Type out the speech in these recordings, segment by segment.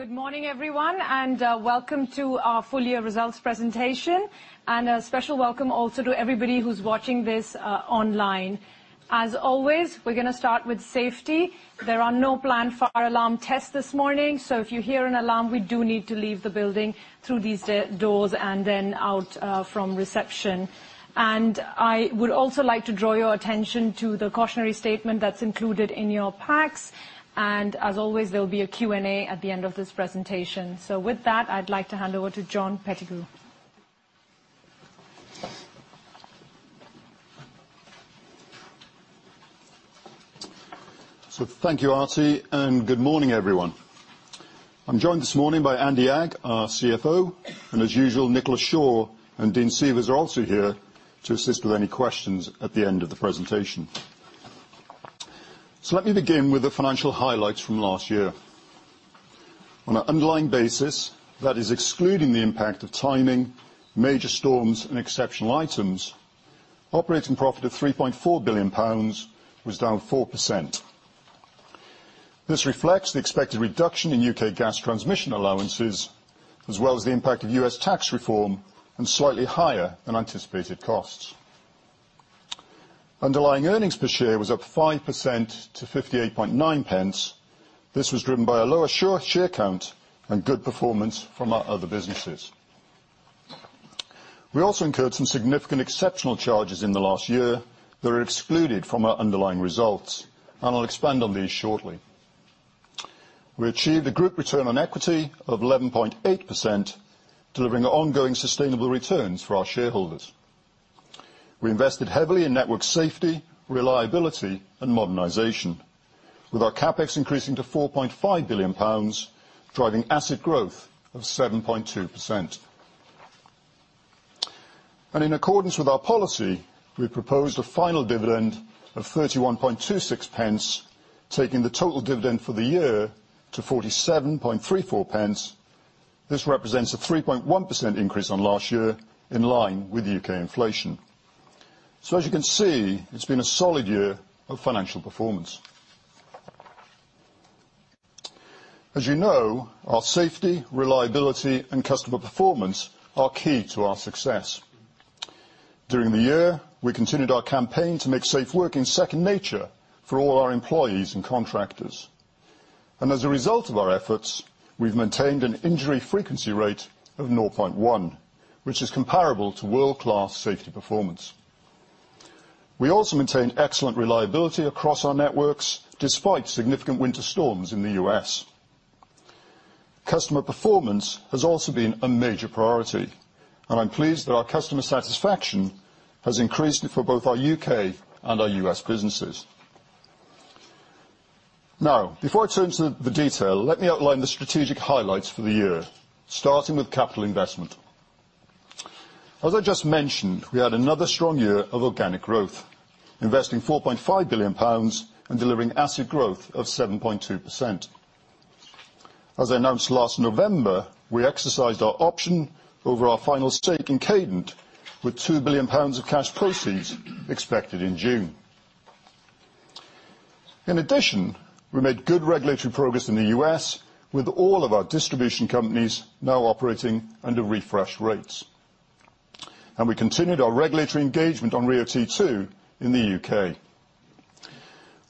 Good morning, everyone, and welcome to our full-year results presentation, and a special welcome also to everybody who's watching this online. As always, we're going to start with safety. There are no planned fire alarm tests this morning, so if you hear an alarm, we do need to leave the building through these doors and then out from reception, and I would also like to draw your attention to the cautionary statement that's included in your packs, and as always, there'll be a Q&A at the end of this presentation, so with that, I'd like to hand over to John Pettigrew. Thank you, Arti, and good morning, everyone. I'm joined this morning by Andy Agg, our CFO, and as usual, Nicola Shaw and Dean Seavers are also here to assist with any questions at the end of the presentation. Let me begin with the financial highlights from last year. On an underlying basis, that is, excluding the impact of timing, major storms, and exceptional items, operating profit of 3.4 billion pounds was down 4%. This reflects the expected reduction in U.K. gas transmission allowances, as well as the impact of U.S. tax reform and slightly higher than anticipated costs. Underlying earnings per share was up 5% to 58.90. This was driven by a lower share count and good performance from our other businesses. We also incurred some significant exceptional charges in the last year that are excluded from our underlying results, and I'll expand on these shortly. We achieved a group return on equity of 11.8%, delivering ongoing sustainable returns for our shareholders. We invested heavily in network safety, reliability, and modernization, with our CapEx increasing to £4.5 billion, driving asset growth of 7.2%. And in accordance with our policy, we proposed a final dividend of £31.26, taking the total dividend for the year to £47.34. This represents a 3.1% increase on last year, in line with UK inflation. So as you can see, it's been a solid year of financial performance. As you know, our safety, reliability, and customer performance are key to our success. During the year, we continued our campaign to make safe working second nature for all our employees and contractors. And as a result of our efforts, we've maintained an injury frequency rate of 0.1, which is comparable to world-class safety performance. We also maintain excellent reliability across our networks, despite significant winter storms in the U.S. Customer performance has also been a major priority, and I'm pleased that our customer satisfaction has increased for both our U.K. and our U.S. businesses. Now, before I turn to the detail, let me outline the strategic highlights for the year, starting with capital investment. As I just mentioned, we had another strong year of organic growth, investing 4.5 billion pounds and delivering asset growth of 7.2%. As I announced last November, we exercised our option over our final stake in Cadent, with GBP 2 billion of cash proceeds expected in June. In addition, we made good regulatory progress in the U.S., with all of our distribution companies now operating under refreshed rates, and we continued our regulatory engagement on RIIO-T2 in the U.K.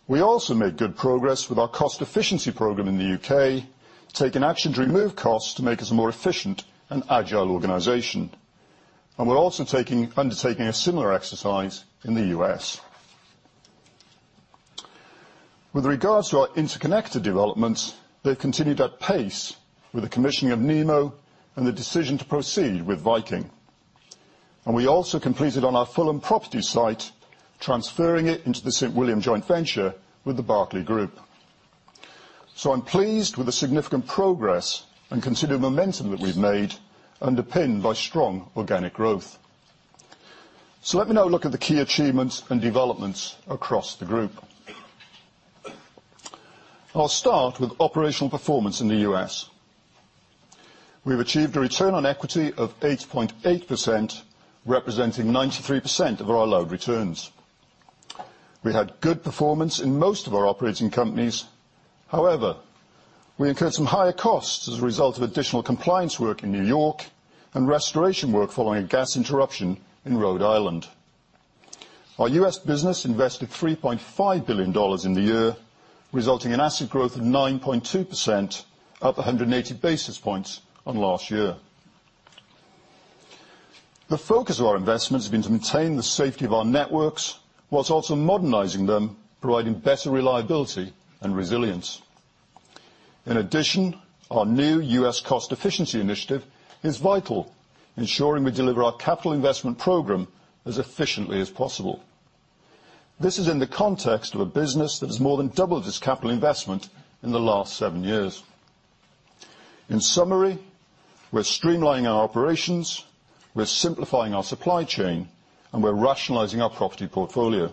We also made good progress with our cost efficiency program in the UK, taking action to remove costs to make us a more efficient and agile organization. And we're also undertaking a similar exercise in the US. With regards to our interconnector developments, they've continued at pace with the commissioning of NEMO and the decision to proceed with Viking. And we also completed on our Fulham property site, transferring it into the St William Joint Venture with the Berkeley Group. So I'm pleased with the significant progress and considered momentum that we've made, underpinned by strong organic growth. So let me now look at the key achievements and developments across the group. I'll start with operational performance in the US. We've achieved a return on equity of 8.8%, representing 93% of our allowed returns. We had good performance in most of our operating companies. However, we incurred some higher costs as a result of additional compliance work in New York and restoration work following a gas interruption in Rhode Island. Our US business invested $3.5 billion in the year, resulting in asset growth of 9.2%, up 180 basis points on last year. The focus of our investments has been to maintain the safety of our networks, while also modernizing them, providing better reliability and resilience. In addition, our new US cost efficiency initiative is vital, ensuring we deliver our capital investment program as efficiently as possible. This is in the context of a business that has more than doubled its capital investment in the last seven years. In summary, we're streamlining our operations, we're simplifying our supply chain, and we're rationalizing our property portfolio.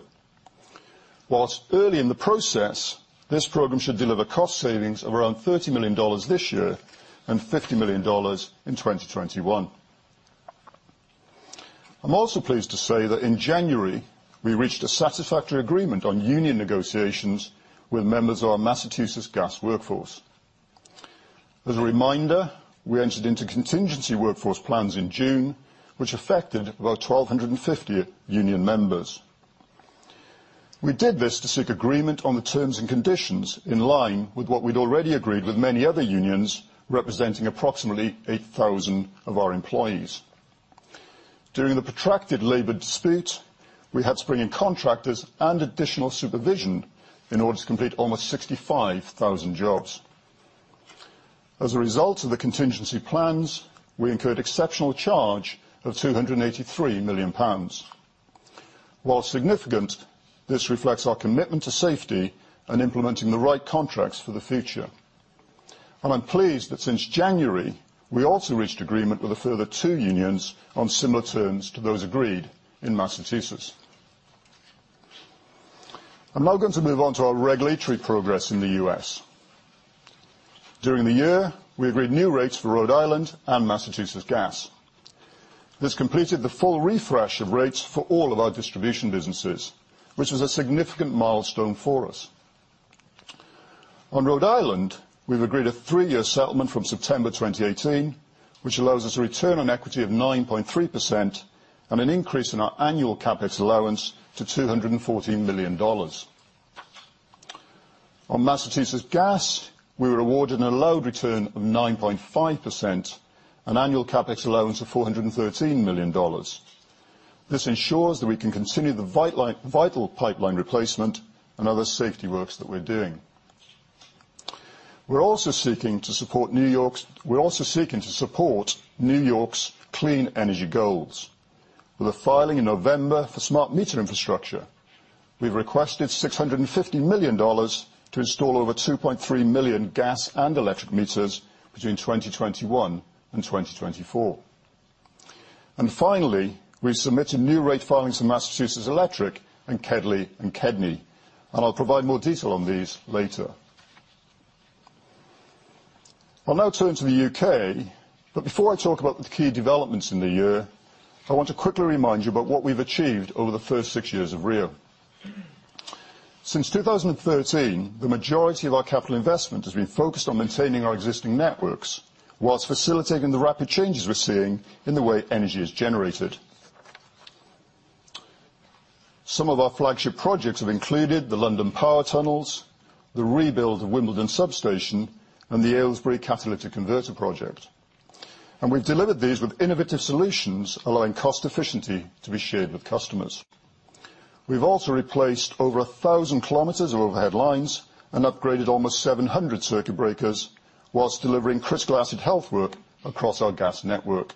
While early in the process, this program should deliver cost savings of around $30 million this year and $50 million in 2021. I'm also pleased to say that in January, we reached a satisfactory agreement on union negotiations with members of our Massachusetts gas workforce. As a reminder, we entered into contingency workforce plans in June, which affected about 1,250 union members. We did this to seek agreement on the terms and conditions in line with what we'd already agreed with many other unions, representing approximately 8,000 of our employees. During the protracted labor dispute, we had to bring in contractors and additional supervision in order to complete almost 65,000 jobs. As a result of the contingency plans, we incurred an exceptional charge of 283 million pounds. While significant, this reflects our commitment to safety and implementing the right contracts for the future. I'm pleased that since January, we also reached agreement with a further two unions on similar terms to those agreed in Massachusetts. I'm now going to move on to our regulatory progress in the US. During the year, we agreed new rates for Rhode Island and Massachusetts gas. This completed the full refresh of rates for all of our distribution businesses, which was a significant milestone for us. On Rhode Island, we've agreed a three-year settlement from September 2018, which allows us a return on equity of 9.3% and an increase in our annual CapEx allowance to $214 million. On Massachusetts gas, we were awarded an allowed return of 9.5% and annual CapEx allowance of $413 million. This ensures that we can continue the vital pipeline replacement and other safety works that we're doing. We're also seeking to support New York's clean energy goals with a filing in November for smart meter infrastructure. We've requested $650 million to install over 2.3 million gas and electric meters between 2021 and 2024. And finally, we've submitted new rate filings for Massachusetts Electric and KEDNY, and I'll provide more detail on these later. I'll now turn to the UK, but before I talk about the key developments in the year, I want to quickly remind you about what we've achieved over the first six years of RIIO. Since 2013, the majority of our capital investment has been focused on maintaining our existing networks, while facilitating the rapid changes we're seeing in the way energy is generated. Some of our flagship projects have included the London Power Tunnels, the rebuild of Wimbledon Substation, and the Aylesbury compressor station project. We’ve delivered these with innovative solutions, allowing cost efficiency to be shared with customers. We’ve also replaced over 1,000 kilometers of overhead lines and upgraded almost 700 circuit breakers, whilst delivering critical asset health work across our gas network.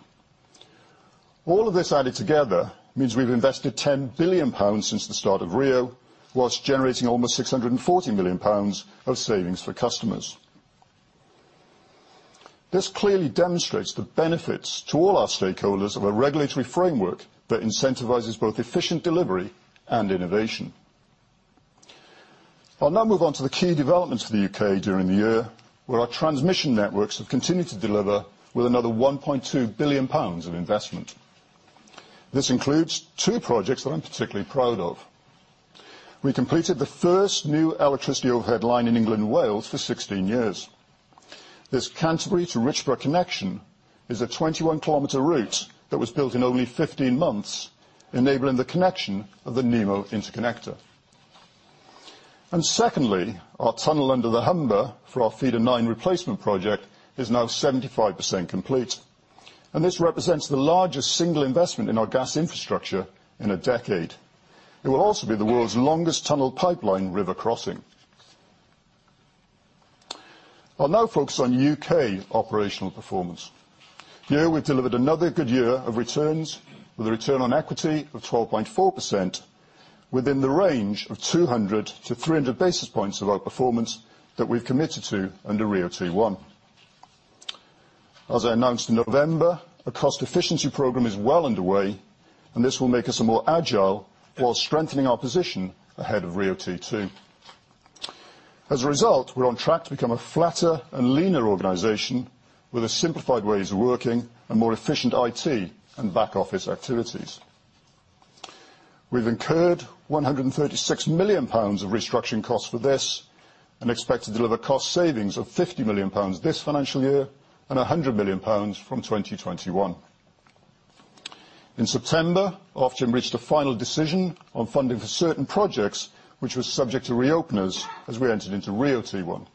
All of this added together means we’ve invested 10 billion pounds since the start of RIIO, whilst generating almost 640 million pounds of savings for customers. This clearly demonstrates the benefits to all our stakeholders of a regulatory framework that incentivises both efficient delivery and innovation. I’ll now move on to the key developments for the UK during the year, where our transmission networks have continued to deliver with another 1.2 billion pounds of investment. This includes two projects that I’m particularly proud of. We completed the first new electricity overhead line in England and Wales for 16 years. This Canterbury to Richborough connection is a 21-kilometer route that was built in only 15 months, enabling the connection of the Nemo Link. Secondly, our tunnel under the Humber for our Feeder 9 replacement project is now 75% complete. This represents the largest single investment in our gas infrastructure in a decade. It will also be the world's longest tunnel pipeline river crossing. I'll now focus on UK operational performance. Here we've delivered another good year of returns, with a return on equity of 12.4%, within the range of 200 to 300 basis points of our performance that we've committed to under RIIO-T1. As I announced in November, a cost efficiency program is well underway, and this will make us a more agile while strengthening our position ahead of RIIO-T2. As a result, we're on track to become a flatter and leaner organization with simplified ways of working and more efficient IT and back office activities. We've incurred 136 million pounds of restructuring costs for this and expect to deliver cost savings of 50 million pounds this financial year and 100 million pounds from 2021. In September, Ofgem reached a final decision on funding for certain projects, which was subject to reopeners as we entered into RIIO-T1.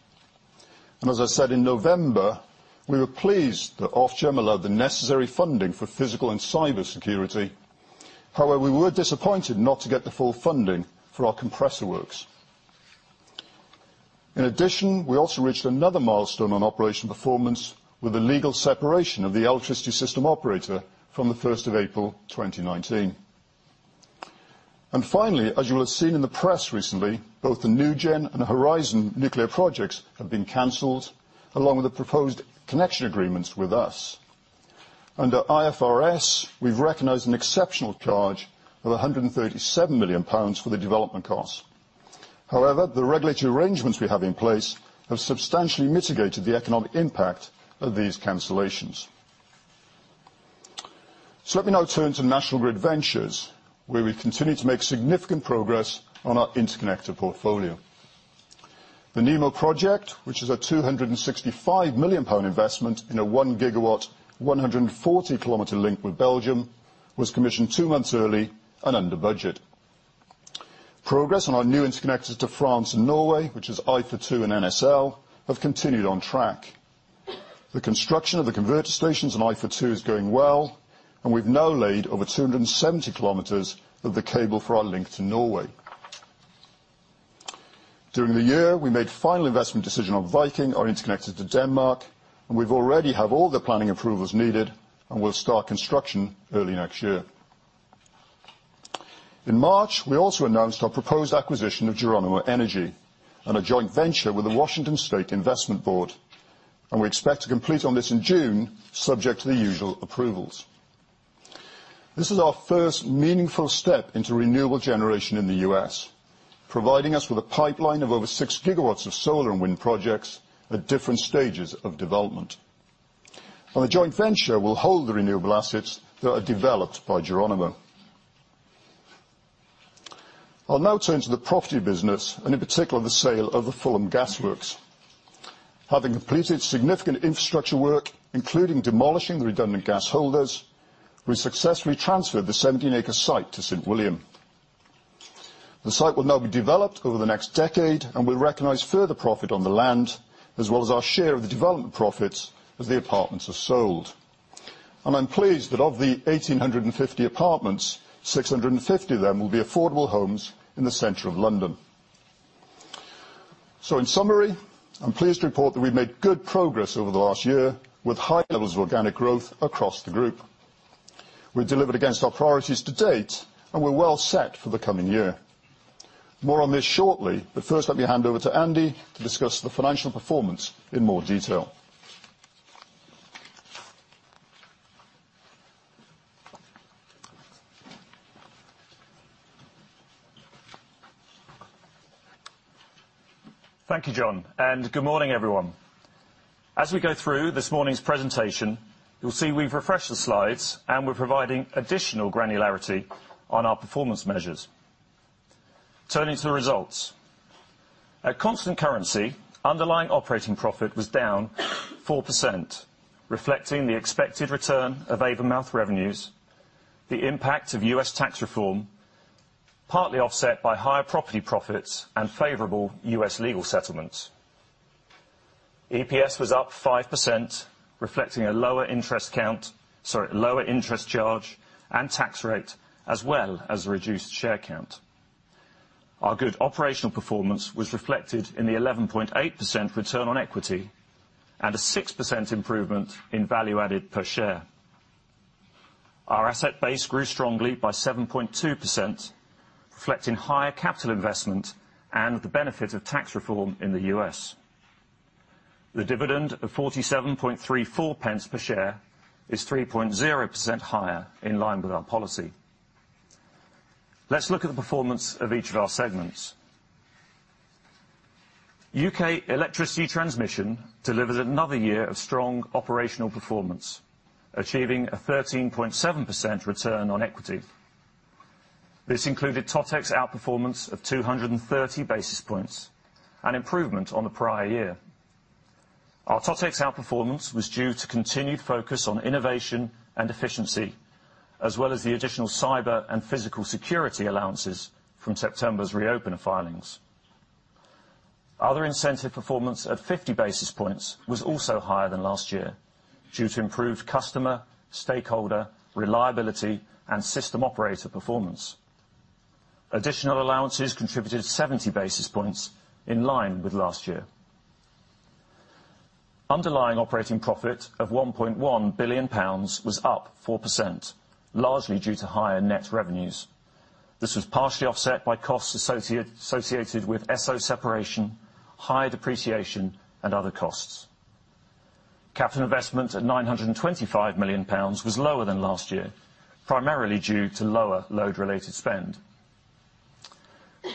And as I said in November, we were pleased that Ofgem allowed the necessary funding for physical and cybersecurity. However, we were disappointed not to get the full funding for our compressor works. In addition, we also reached another milestone on operational performance with the legal separation of the electricity system operator from the 1st of April 2019. Finally, as you will have seen in the press recently, both the NuGen and the Horizon nuclear projects have been cancelled, along with the proposed connection agreements with us. Under IFRS, we've recognised an exceptional charge of 137 million pounds for the development costs. However, the regulatory arrangements we have in place have substantially mitigated the economic impact of these cancellations. Let me now turn to National Grid Ventures, where we've continued to make significant progress on our interconnector portfolio. The NEMO project, which is a 265 million pound investment in a one-gigawatt, 140 km link with Belgium, was commissioned two months early and under budget. Progress on our new interconnectors to France and Norway, which is IFA2 and NSL, have continued on track. The construction of the converter stations on IFA2 is going well, and we've now laid over 270 km of the cable for our link to Norway. During the year, we made final investment decisions on Viking, our interconnector to Denmark, and we already have all the planning approvals needed and will start construction early next year. In March, we also announced our proposed acquisition of Geronimo Energy and a joint venture with the Washington State Investment Board, and we expect to complete on this in June, subject to the usual approvals. This is our first meaningful step into renewable generation in the US, providing us with a pipeline of over six gigawatts of solar and wind projects at different stages of development. On the joint venture, we'll hold the renewable assets that are developed by Geronimo. I'll now turn to the property business and, in particular, the sale of the Fulham gas works. Having completed significant infrastructure work, including demolishing the redundant gas holders, we successfully transferred the 17-acre site to St William. The site will now be developed over the next decade and will recognize further profit on the land, as well as our share of the development profits as the apartments are sold. And I'm pleased that of the 1,850 apartments, 650 of them will be affordable homes in the center of London. So, in summary, I'm pleased to report that we've made good progress over the last year with high levels of organic growth across the group. We've delivered against our priorities to date, and we're well set for the coming year. More on this shortly, but first, let me hand over to Andy to discuss the financial performance in more detail. Thank you, John, and good morning, everyone. As we go through this morning's presentation, you'll see we've refreshed the slides and we're providing additional granularity on our performance measures. Turning to the results, at constant currency, underlying operating profit was down 4%, reflecting the expected return of Avonmouth revenues, the impact of U.S. tax reform, partly offset by higher property profits and favorable U.S. legal settlements. EPS was up 5%, reflecting a lower interest charge and tax rate, as well as a reduced share count. Our good operational performance was reflected in the 11.8% return on equity and a 6% improvement in value added per share. Our asset base grew strongly by 7.2%, reflecting higher capital investment and the benefit of tax reform in the U.S. The dividend of 0.4734 per share is 3.0% higher, in line with our policy. Let's look at the performance of each of our segments. U.K. electricity transmission delivered another year of strong operational performance, achieving a 13.7% return on equity. This included TotEx outperformance of 230 basis points and improvement on the prior year. Our TotEx outperformance was due to continued focus on innovation and efficiency, as well as the additional cyber and physical security allowances from September's reopener filings. Other incentive performance at 50 basis points was also higher than last year due to improved customer, stakeholder, reliability, and system operator performance. Additional allowances contributed 70 basis points in line with last year. Underlying operating profit of 1.1 billion pounds was up 4%, largely due to higher net revenues. This was partially offset by costs associated with SO separation, higher depreciation, and other costs. Capital investment at 925 million pounds was lower than last year, primarily due to lower load-related spend.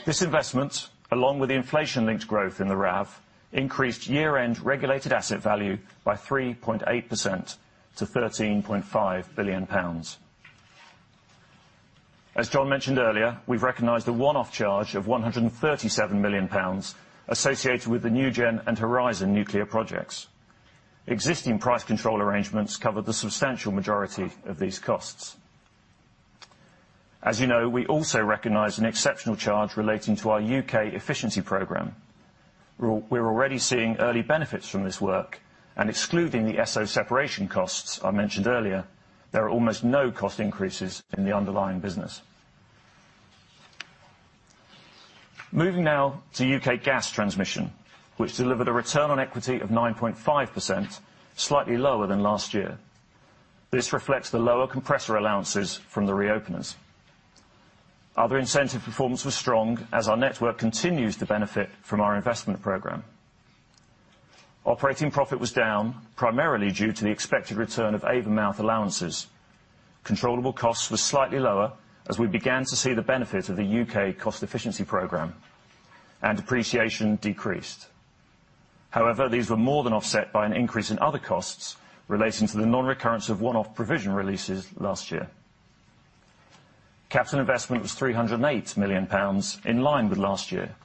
This investment, along with the inflation-linked growth in the RAV, increased year-end regulated asset value by 3.8% to 13.5 billion pounds. As John mentioned earlier, we've recognized a one-off charge of 137 million pounds associated with the NuGen and Horizon nuclear projects. Existing price control arrangements covered the substantial majority of these costs. As you know, we also recognize an exceptional charge relating to our UK efficiency program. We're already seeing early benefits from this work, and excluding the SO separation costs I mentioned earlier, there are almost no cost increases in the underlying business. Moving now to UK gas transmission, which delivered a return on equity of 9.5%, slightly lower than last year. This reflects the lower compressor allowances from the reopeners. Other incentive performance was strong as our network continues to benefit from our investment program. Operating profit was down, primarily due to the expected return of Avenmouth allowances. Controllable costs were slightly lower as we began to see the benefit of the UK cost efficiency program, and depreciation decreased. However, these were more than offset by an increase in other costs relating to the non-recurrence of one-off provision releases last year. Capital investment was 308 million pounds, in line with last year,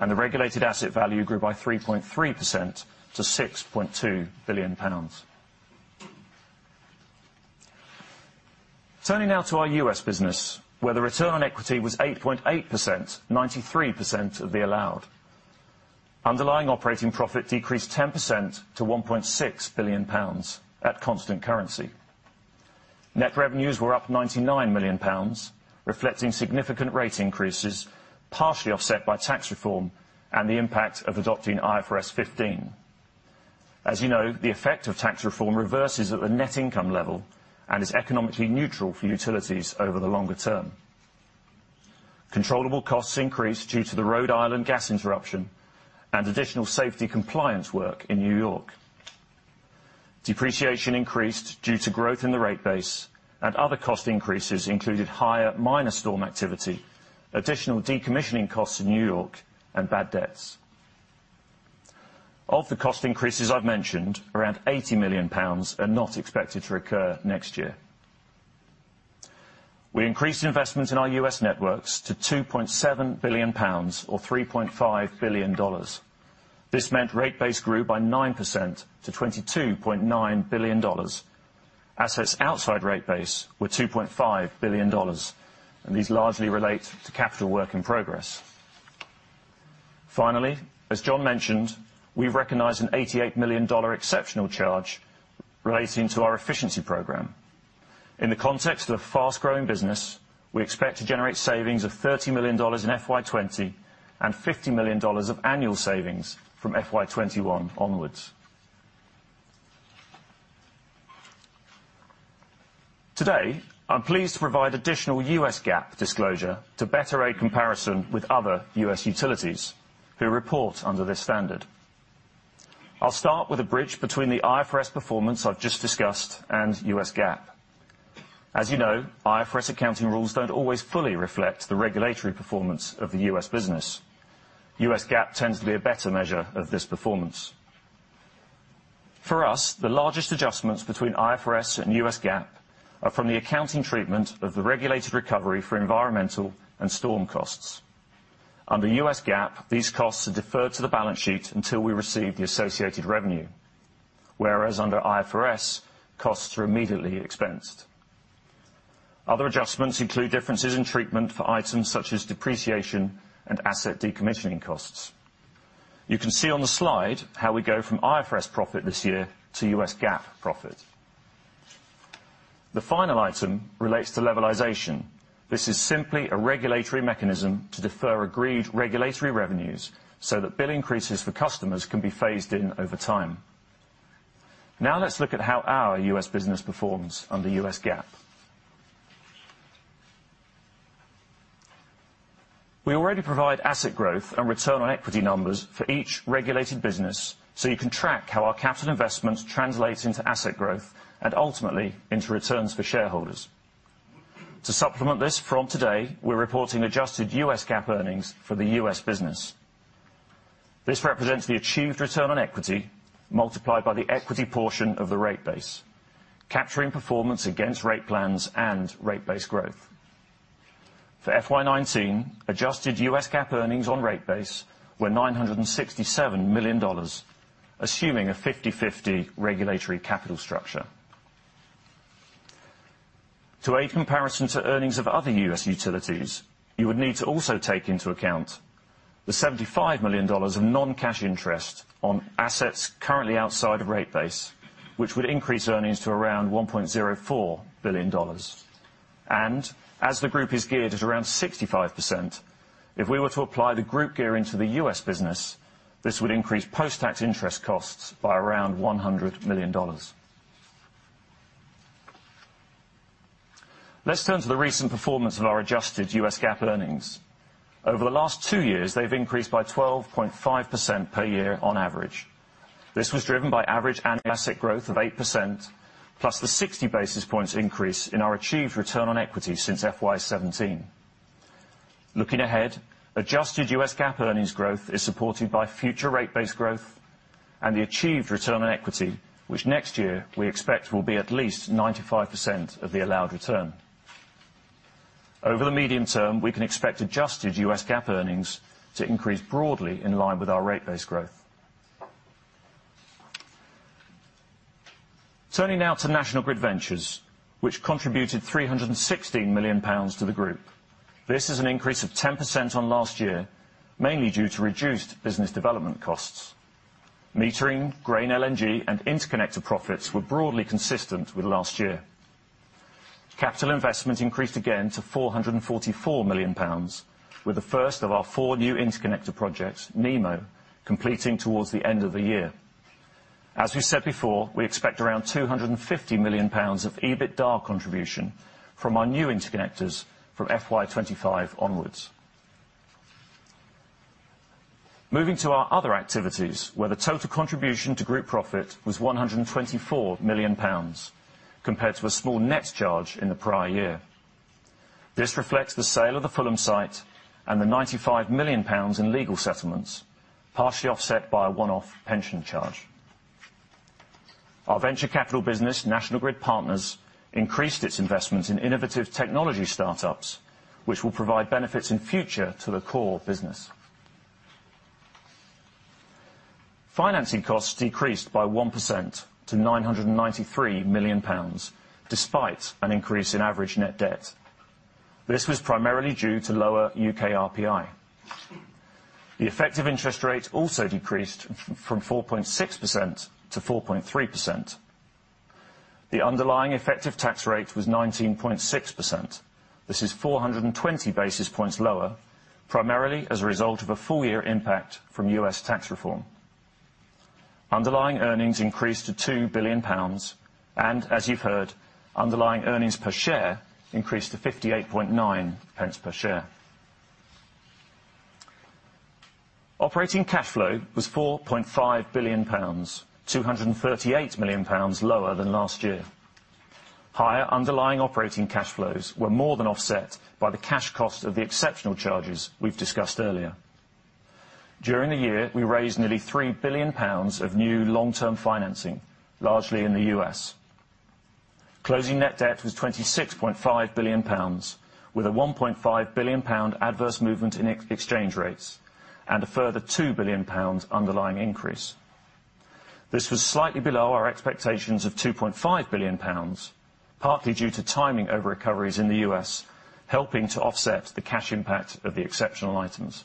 and the regulated asset value grew by 3.3% to 6.2 billion pounds. Turning now to our U.S. business, where the return on equity was 8.8%, 93% of the allowed. Underlying operating profit decreased 10% to 1.6 billion pounds at constant currency. Net revenues were up 99 million pounds, reflecting significant rate increases, partially offset by tax reform and the impact of adopting IFRS 15. As you know, the effect of tax reform reverses at the net income level and is economically neutral for utilities over the longer term. Controllable costs increased due to the Rhode Island gas interruption and additional safety compliance work in New York. Depreciation increased due to growth in the rate base, and other cost increases included higher minor storm activity, additional decommissioning costs in New York, and bad debts. Of the cost increases I've mentioned, around £80 million are not expected to occur next year. We increased investment in our US networks to £2.7 billion, or $3.5 billion. This meant rate base grew by 9% to $22.9 billion. Assets outside rate base were $2.5 billion, and these largely relate to capital work in progress. Finally, as John mentioned, we've recognized an $88 million exceptional charge relating to our efficiency program. In the context of a fast-growing business, we expect to generate savings of $30 million in FY20 and $50 million of annual savings from FY21 onwards. Today, I'm pleased to provide additional US GAAP disclosure to better aid comparison with other US utilities who report under this standard. I'll start with a bridge between the IFRS performance I've just discussed and US GAAP. As you know, IFRS accounting rules don't always fully reflect the regulatory performance of the US business. US GAAP tends to be a better measure of this performance. For us, the largest adjustments between IFRS and US GAAP are from the accounting treatment of the regulated recovery for environmental and storm costs. Under US GAAP, these costs are deferred to the balance sheet until we receive the associated revenue, whereas under IFRS, costs are immediately expensed. Other adjustments include differences in treatment for items such as depreciation and asset decommissioning costs. You can see on the slide how we go from IFRS profit this year to US GAAP profit. The final item relates to levelization. This is simply a regulatory mechanism to defer agreed regulatory revenues so that bill increases for customers can be phased in over time. Now let's look at how our US business performs under US GAAP. We already provide asset growth and return on equity numbers for each regulated business, so you can track how our capital investments translate into asset growth and ultimately into returns for shareholders. To supplement this, from today, we're reporting adjusted US GAAP earnings for the US business. This represents the achieved return on equity multiplied by the equity portion of the rate base, capturing performance against rate plans and rate base growth. For FY19, adjusted US GAAP earnings on rate base were $967 million, assuming a 50/50 regulatory capital structure. To aid comparison to earnings of other US utilities, you would need to also take into account the $75 million of non-cash interest on assets currently outside of rate base, which would increase earnings to around $1.04 billion, and as the group is geared at around 65%, if we were to apply the group gear into the US business, this would increase post-tax interest costs by around $100 million. Let's turn to the recent performance of our adjusted US GAAP earnings. Over the last two years, they've increased by 12.5% per year on average. This was driven by average annual asset growth of 8%, plus the 60 basis points increase in our achieved return on equity since FY 2017. Looking ahead, adjusted US GAAP earnings growth is supported by future rate base growth and the achieved return on equity, which next year we expect will be at least 95% of the allowed return. Over the medium term, we can expect adjusted US GAAP earnings to increase broadly in line with our rate base growth. Turning now to National Grid Ventures, which contributed 316 million pounds to the group. This is an increase of 10% on last year, mainly due to reduced business development costs. Metering, Grain LNG, and interconnector profits were broadly consistent with last year. Capital investment increased again to 444 million pounds, with the first of our four new interconnector projects, NEMO, completing towards the end of the year. As we said before, we expect around 250 million pounds of EBITDA contribution from our new interconnectors from FY25 onwards. Moving to our other activities, where the total contribution to group profit was 124 million pounds, compared to a small net charge in the prior year. This reflects the sale of the Fulham site and the 95 million pounds in legal settlements, partially offset by a one-off pension charge. Our venture capital business, National Grid Partners, increased its investment in innovative technology startups, which will provide benefits in future to the core business. Financing costs decreased by 1% to 993 million pounds, despite an increase in average net debt. This was primarily due to lower U.K. RPI. The effective interest rate also decreased from 4.6% to 4.3%. The underlying effective tax rate was 19.6%. This is 420 basis points lower, primarily as a result of a full-year impact from U.S. tax reform. Underlying earnings increased to 2 billion pounds, and as you've heard, underlying earnings per share increased to 0.589 per share. Operating cash flow was £4.5 billion, £238 million lower than last year. Higher underlying operating cash flows were more than offset by the cash cost of the exceptional charges we've discussed earlier. During the year, we raised nearly £3 billion of new long-term financing, largely in the US. Closing net debt was £26.5 billion, with a £1.5 billion adverse movement in exchange rates and a further £2 billion underlying increase. This was slightly below our expectations of £2.5 billion, partly due to timing over recoveries in the US, helping to offset the cash impact of the exceptional items.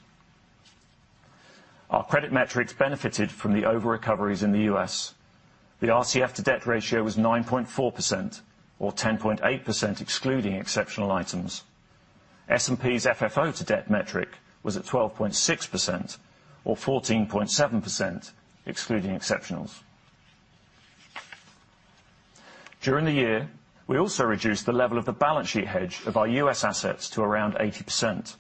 Our credit metrics benefited from the over-recoveries in the US. The RCF to debt ratio was 9.4%, or 10.8% excluding exceptional items. S&P's FFO to debt metric was at 12.6%, or 14.7% excluding exceptionals. During the year, we also reduced the level of the balance sheet hedge of our U.S. assets to around 80%.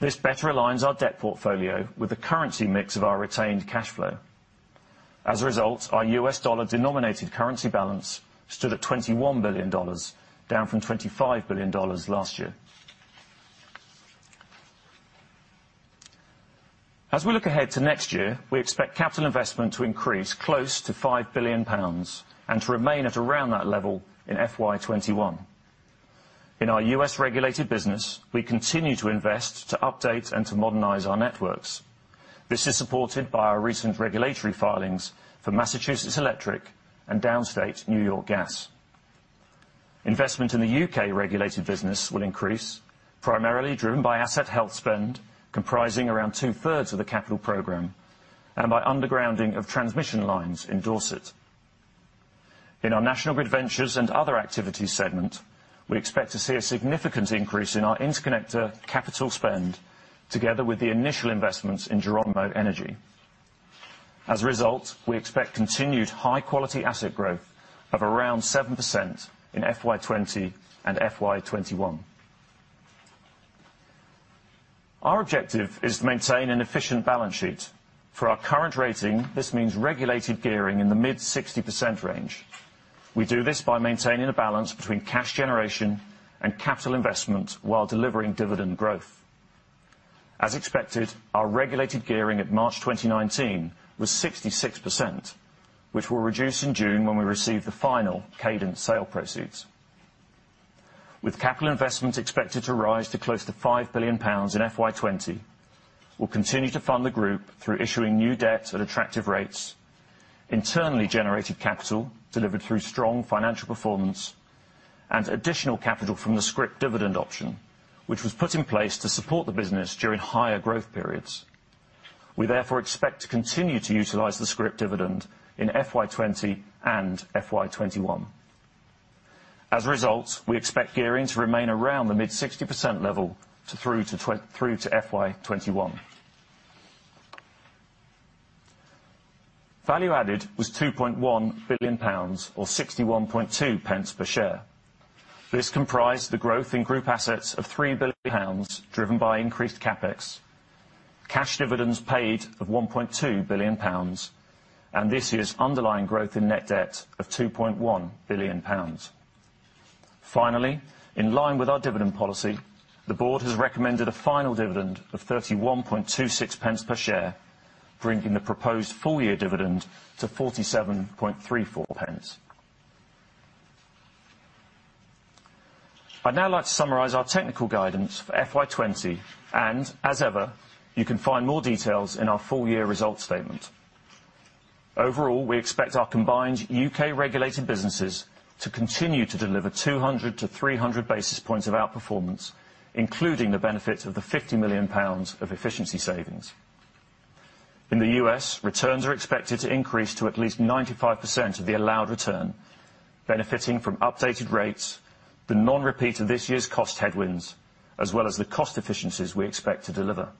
This better aligns our debt portfolio with the currency mix of our retained cash flow. As a result, our U.S. dollar-denominated currency balance stood at $21 billion, down from $25 billion last year. As we look ahead to next year, we expect capital investment to increase close to £5 billion and to remain at around that level in FY21. In our U.S.-regulated business, we continue to invest to update and to modernize our networks. This is supported by our recent regulatory filings for Massachusetts Electric and Downstate New York Gas. Investment in the U.K.-regulated business will increase, primarily driven by asset health spend comprising around two-thirds of the capital program and by undergrounding of transmission lines in Dorset. In our National Grid Ventures and other activities segment, we expect to see a significant increase in our interconnector capital spend, together with the initial investments in Geronimo Energy. As a result, we expect continued high-quality asset growth of around 7% in FY20 and FY21. Our objective is to maintain an efficient balance sheet. For our current rating, this means regulated gearing in the mid-60% range. We do this by maintaining a balance between cash generation and capital investment while delivering dividend growth. As expected, our regulated gearing at March 2019 was 66%, which will reduce in June when we receive the final Cadent sale proceeds. With capital investment expected to rise to close to 5 billion pounds in FY20, we'll continue to fund the group through issuing new debt at attractive rates, internally generated capital delivered through strong financial performance, and additional capital from the scrip dividend option, which was put in place to support the business during higher growth periods. We therefore expect to continue to utilize the scrip dividend in FY20 and FY21. As a result, we expect gearing to remain around the mid-60% level through to FY21. Value added was 2.1 billion pounds, or 0.612 per share. This comprised the growth in group assets of 3 billion pounds, driven by increased CapEx, cash dividends paid of 1.2 billion pounds, and this year's underlying growth in net debt of 2.1 billion pounds. Finally, in line with our dividend policy, the board has recommended a final dividend of 0.3126 per share, bringing the proposed full-year dividend to 0.4734. I'd now like to summarize our technical guidance for FY20, and as ever, you can find more details in our full-year results statement. Overall, we expect our combined U.K.-regulated businesses to continue to deliver 200-300 basis points of outperformance, including the benefit of the 50 million pounds of efficiency savings. In the U.S., returns are expected to increase to at least 95% of the allowed return, benefiting from updated rates, the non-repeat of this year's cost headwinds, as well as the cost efficiencies we expect to deliver.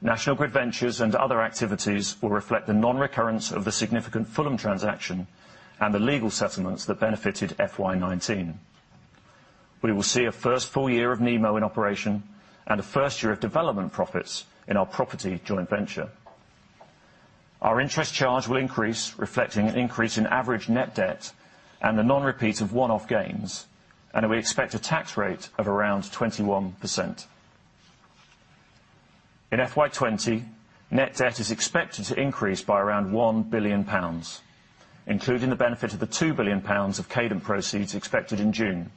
National Grid Ventures and other activities will reflect the non-recurrence of the significant Fulham transaction and the legal settlements that benefited FY19. We will see a first full year of NEMO in operation and a first year of development profits in our property joint venture. Our interest charge will increase, reflecting an increase in average net debt and the non-repeat of one-off gains, and we expect a tax rate of around 21%. In FY20, net debt is expected to increase by around £1 billion, including the benefit of the £2 billion of Cadent proceeds expected in June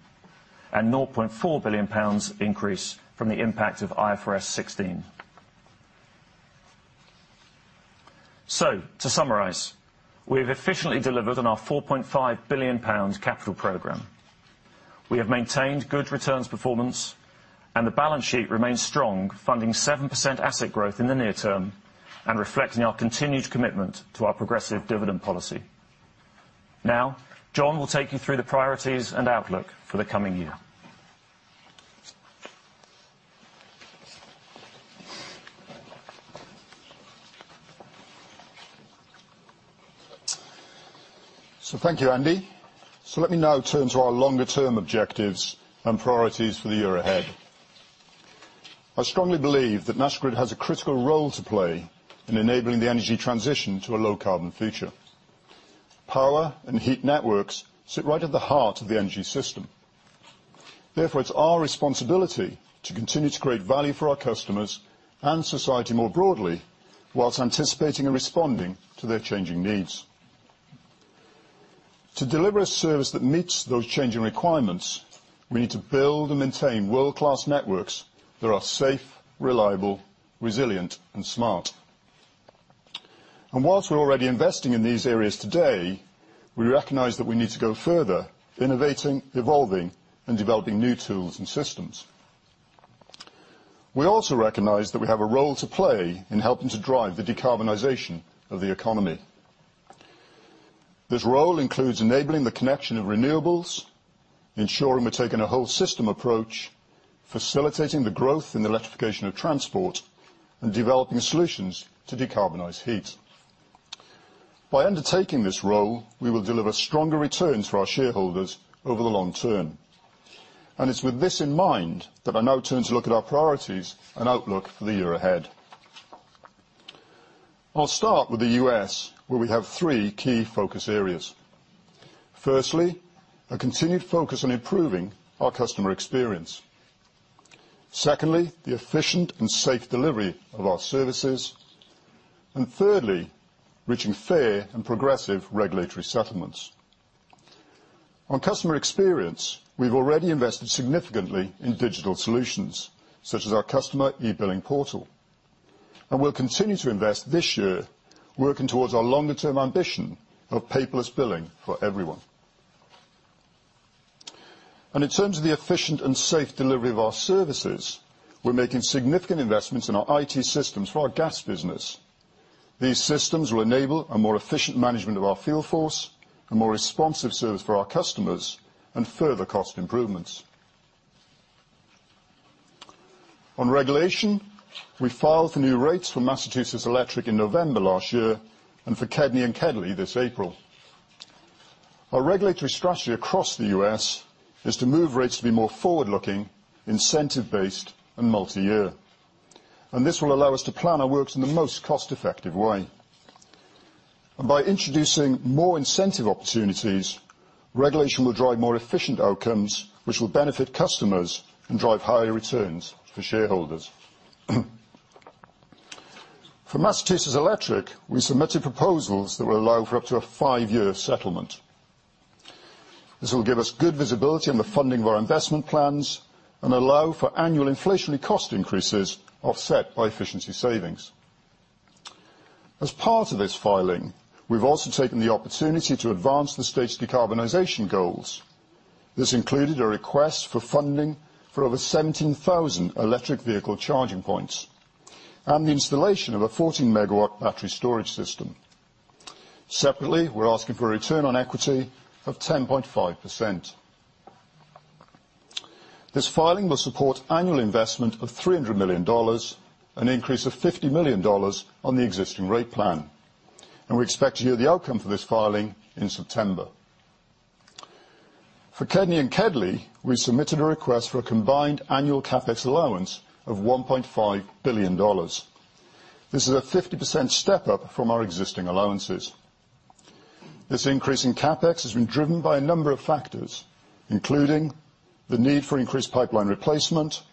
and a £0.4 billion increase from the impact of IFRS 16. So, to summarise, we have efficiently delivered on our £4.5 billion capital program. We have maintained good returns performance, and the balance sheet remains strong, funding 7% asset growth in the near term and reflecting our continued commitment to our progressive dividend policy. Now, John will take you through the priorities and outlook for the coming year. So thank you, Andy. Let me now turn to our longer-term objectives and priorities for the year ahead. I strongly believe that National Grid has a critical role to play in enabling the energy transition to a low-carbon future. Power and heat networks sit right at the heart of the energy system. Therefore, it's our responsibility to continue to create value for our customers and society more broadly while anticipating and responding to their changing needs. To deliver a service that meets those changing requirements, we need to build and maintain world-class networks that are safe, reliable, resilient, and smart. While we're already investing in these areas today, we recognize that we need to go further, innovating, evolving, and developing new tools and systems. We also recognize that we have a role to play in helping to drive the decarbonization of the economy. This role includes enabling the connection of renewables, ensuring we're taking a whole system approach, facilitating the growth in the electrification of transport, and developing solutions to decarbonize heat. By undertaking this role, we will deliver stronger returns for our shareholders over the long term. And it's with this in mind that I now turn to look at our priorities and outlook for the year ahead. I'll start with the U.S., where we have three key focus areas. Firstly, a continued focus on improving our customer experience. Secondly, the efficient and safe delivery of our services. And thirdly, reaching fair and progressive regulatory settlements. On customer experience, we've already invested significantly in digital solutions, such as our customer e-billing portal. And we'll continue to invest this year, working towards our longer-term ambition of paperless billing for everyone. In terms of the efficient and safe delivery of our services, we're making significant investments in our IT systems for our gas business. These systems will enable a more efficient management of our field force, a more responsive service for our customers, and further cost improvements. On regulation, we filed for new rates for Massachusetts Electric in November last year and for Cadent and KEDNY this April. Our regulatory strategy across the US is to move rates to be more forward-looking, incentive-based, and multi-year. This will allow us to plan our works in the most cost-effective way. By introducing more incentive opportunities, regulation will drive more efficient outcomes, which will benefit customers and drive higher returns for shareholders. For Massachusetts Electric, we submitted proposals that will allow for up to a five-year settlement. This will give us good visibility on the funding of our investment plans and allow for annual inflationary cost increases offset by efficiency savings. As part of this filing, we've also taken the opportunity to advance the state's decarbonization goals. This included a request for funding for over 17,000 electric vehicle charging points and the installation of a 14 megawatt battery storage system. Separately, we're asking for a return on equity of 10.5%. This filing will support annual investment of $300 million and an increase of $50 million on the existing rate plan. And we expect to hear the outcome for this filing in September. For KEDNY and KEDLI, we submitted a request for a combined annual CapEx allowance of $1.5 billion. This is a 50% step up from our existing allowances. This increase in CapEx has been driven by a number of factors, including the need for increased pipeline replacement,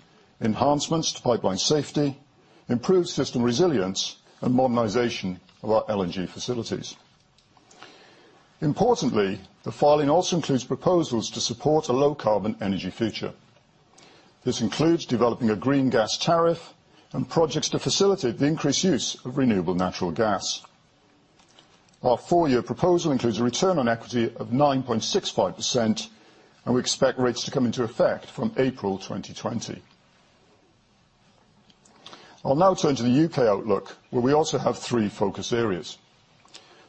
enhancements to pipeline safety, improved system resilience, and modernization of our LNG facilities. Importantly, the filing also includes proposals to support a low-carbon energy future. This includes developing a green gas tariff and projects to facilitate the increased use of renewable natural gas. Our four-year proposal includes a return on equity of 9.65%, and we expect rates to come into effect from April 2020. I'll now turn to the U.K. outlook, where we also have three focus areas.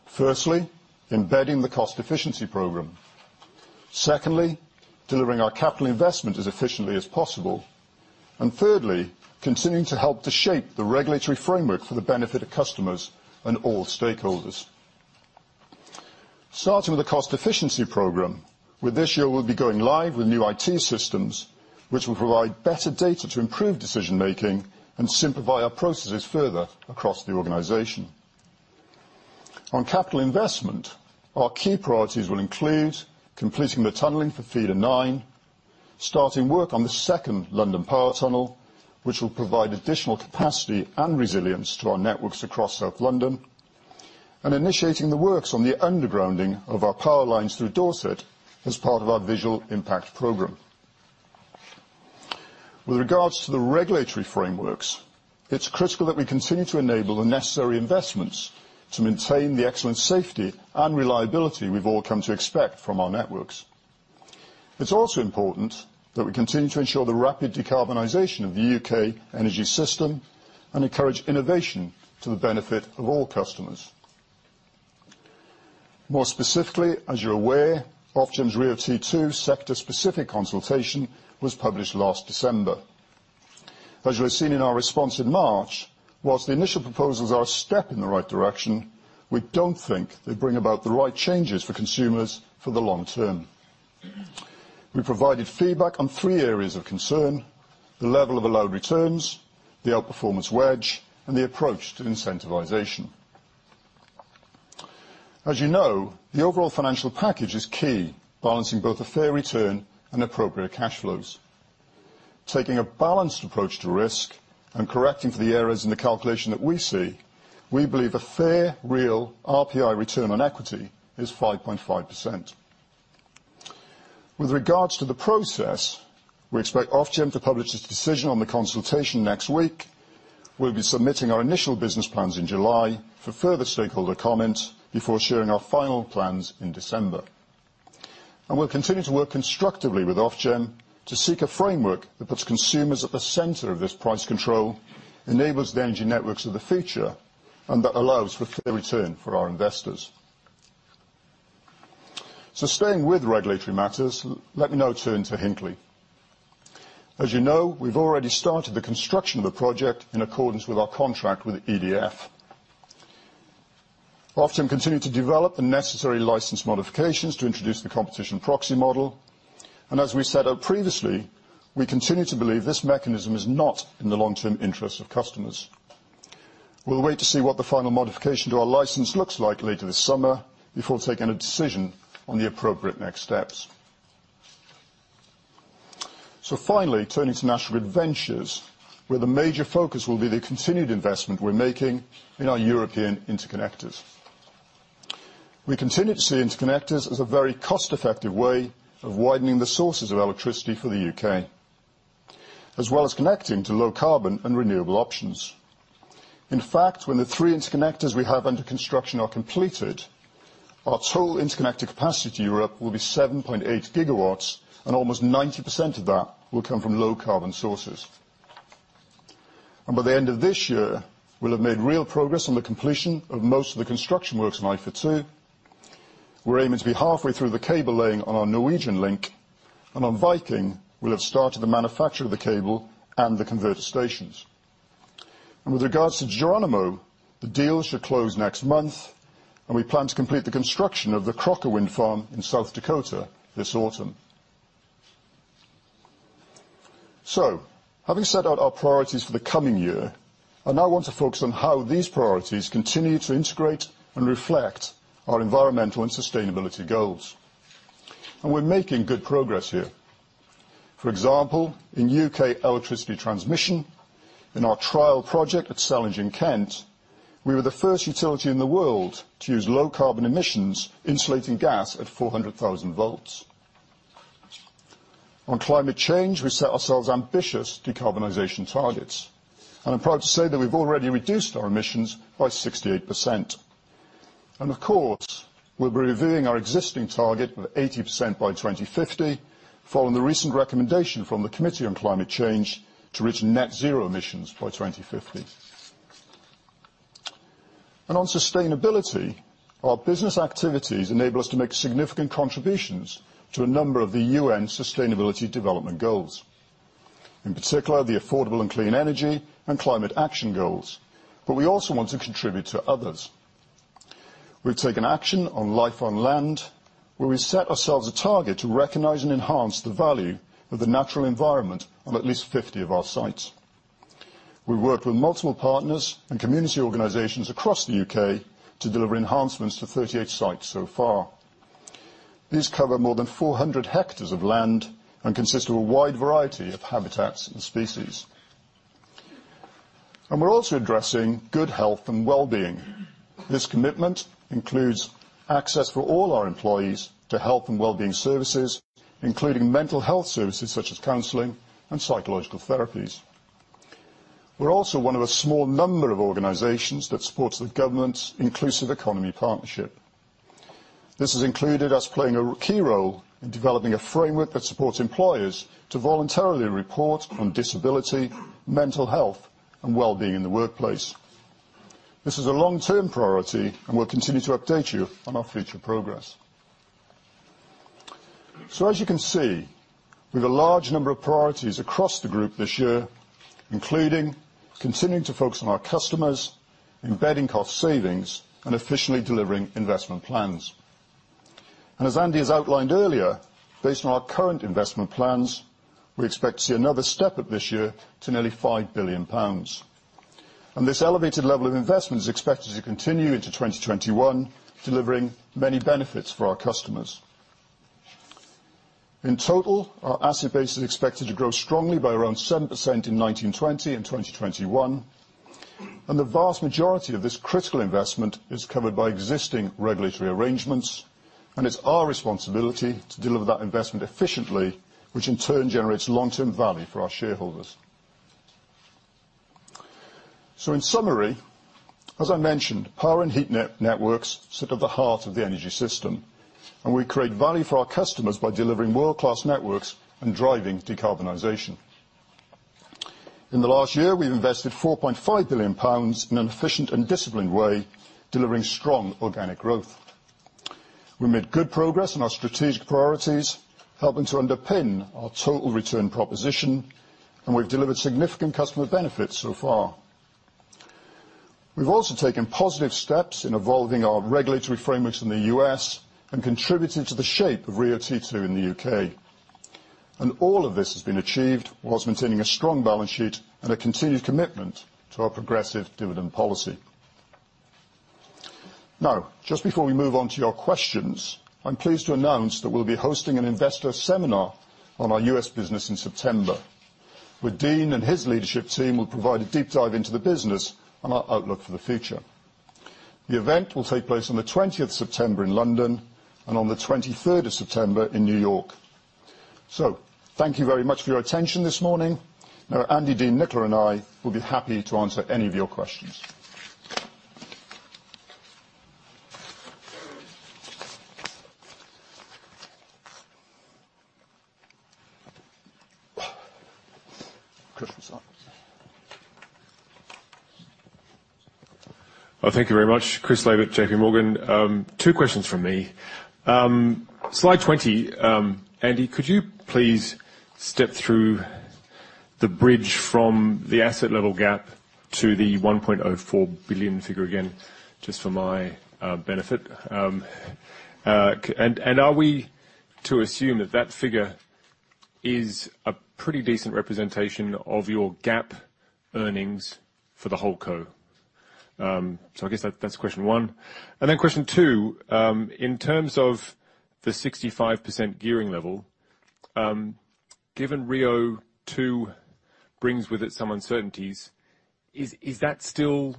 Firstly, embedding the cost efficiency program. Secondly, delivering our capital investment as efficiently as possible. And thirdly, continuing to help to shape the regulatory framework for the benefit of customers and all stakeholders. Starting with the cost efficiency program, where this year we'll be going live with new IT systems, which will provide better data to improve decision-making and simplify our processes further across the organization. On capital investment, our key priorities will include completing the tunneling for Feeder 9, starting work on the second London Power Tunnel, which will provide additional capacity and resilience to our networks across South London, and initiating the works on the undergrounding of our power lines through Dorset as part of our visual impact program. With regards to the regulatory frameworks, it's critical that we continue to enable the necessary investments to maintain the excellent safety and reliability we've all come to expect from our networks. It's also important that we continue to ensure the rapid decarbonization of the UK energy system and encourage innovation to the benefit of all customers. More specifically, as you're aware, Ofgem's RIIO-T2 sector-specific consultation was published last December. As you have seen in our response in March, while the initial proposals are a step in the right direction, we don't think they bring about the right changes for consumers for the long term. We provided feedback on three areas of concern: the level of allowed returns, the outperformance wedge, and the approach to incentivisation. As you know, the overall financial package is key, balancing both a fair return and appropriate cash flows. Taking a balanced approach to risk and correcting for the errors in the calculation that we see, we believe a fair, real RPI return on equity is 5.5%. With regards to the process, we expect Ofgem to publish its decision on the consultation next week. We'll be submitting our initial business plans in July for further stakeholder comment before sharing our final plans in December, and we'll continue to work constructively with Ofgem to seek a framework that puts consumers at the center of this price control, enables the energy networks of the future, and that allows for fair return for our investors, so staying with regulatory matters, let me now turn to Hinkley. As you know, we've already started the construction of the project in accordance with our contract with EDF. Ofgem continues to develop the necessary license modifications to introduce the competition proxy model. And as we said previously, we continue to believe this mechanism is not in the long-term interests of customers. We'll wait to see what the final modification to our license looks like later this summer before taking a decision on the appropriate next steps. Finally, turning to National Grid Ventures, where the major focus will be the continued investment we're making in our European interconnectors. We continue to see interconnectors as a very cost-effective way of widening the sources of electricity for the UK, as well as connecting to low-carbon and renewable options. In fact, when the three interconnectors we have under construction are completed, our total interconnector capacity to Europe will be 7.8 gigawatts, and almost 90% of that will come from low-carbon sources. By the end of this year, we'll have made real progress on the completion of most of the construction works on IFA2. We're aiming to be halfway through the cable laying on our Norwegian link, and on Viking, we'll have started the manufacture of the cable and the converter stations. With regards to Geronimo, the deal should close next month, and we plan to complete the construction of the Crocker Wind Farm in South Dakota this autumn. Having set out our priorities for the coming year, I now want to focus on how these priorities continue to integrate and reflect our environmental and sustainability goals. We're making good progress here. For example, in UK electricity transmission, in our trial project at Sellindge in Kent, we were the first utility in the world to use low-carbon emissions insulating gas at 400,000 volts. On climate change, we set ourselves ambitious decarbonization targets. I'm proud to say that we've already reduced our emissions by 68%. Of course, we'll be reviewing our existing target of 80% by 2050, following the recent recommendation from the Committee on Climate Change to reach net zero emissions by 2050. On sustainability, our business activities enable us to make significant contributions to a number of the UN Sustainable Development Goals, in particular the Affordable and Clean Energy and Climate Action Goals. We also want to contribute to others. We've taken action on Life on Land, where we set ourselves a target to recognize and enhance the value of the natural environment on at least 50 of our sites. We've worked with multiple partners and community organizations across the UK to deliver enhancements to 38 sites so far. These cover more than 400 hectares of land and consist of a wide variety of habitats and species. We're also addressing good health and well-being. This commitment includes access for all our employees to health and well-being services, including mental health services such as counseling and psychological therapies. We're also one of a small number of organizations that supports the government's Inclusive Economy Partnership. This has included us playing a key role in developing a framework that supports employers to voluntarily report on disability, mental health, and well-being in the workplace. This is a long-term priority, and we'll continue to update you on our future progress, so as you can see, we have a large number of priorities across the group this year, including continuing to focus on our customers, embedding cost savings, and efficiently delivering investment plans, and as Andy has outlined earlier, based on our current investment plans, we expect to see another step up this year to nearly 5 billion pounds, and this elevated level of investment is expected to continue into 2021, delivering many benefits for our customers. In total, our asset base is expected to grow strongly by around 7% in 2020 and 2021. The vast majority of this critical investment is covered by existing regulatory arrangements, and it's our responsibility to deliver that investment efficiently, which in turn generates long-term value for our shareholders. In summary, as I mentioned, power and heat networks sit at the heart of the energy system, and we create value for our customers by delivering world-class networks and driving decarbonization. In the last year, we've invested 4.5 billion pounds in an efficient and disciplined way, delivering strong organic growth. We've made good progress on our strategic priorities, helping to underpin our total return proposition, and we've delivered significant customer benefits so far. We've also taken positive steps in evolving our regulatory frameworks in the U.S. and contributed to the shape of RIIO-T2 in the U.K. All of this has been achieved while maintaining a strong balance sheet and a continued commitment to our progressive dividend policy. Now, just before we move on to your questions, I'm pleased to announce that we'll be hosting an investor seminar on our US business in September, where Dean and his leadership team will provide a deep dive into the business and our outlook for the future. The event will take place on the 20th of September in London and on the 23rd of September in New York. Thank you very much for your attention this morning. Now, Andy, Dean, and I will be happy to answer any of your questions. Thank you very much, Chris Laybutt, J.P. Morgan. Two questions from me. Slide 20, Andy, could you please step through the bridge from the asset level gap to the £1.04 billion figure again, just for my benefit? And are we to assume that that figure is a pretty decent representation of your gap earnings for the HoldCo? So I guess that's question one. And then question two, in terms of the 65% gearing level, given RIIO-T2 brings with it some uncertainties, is that still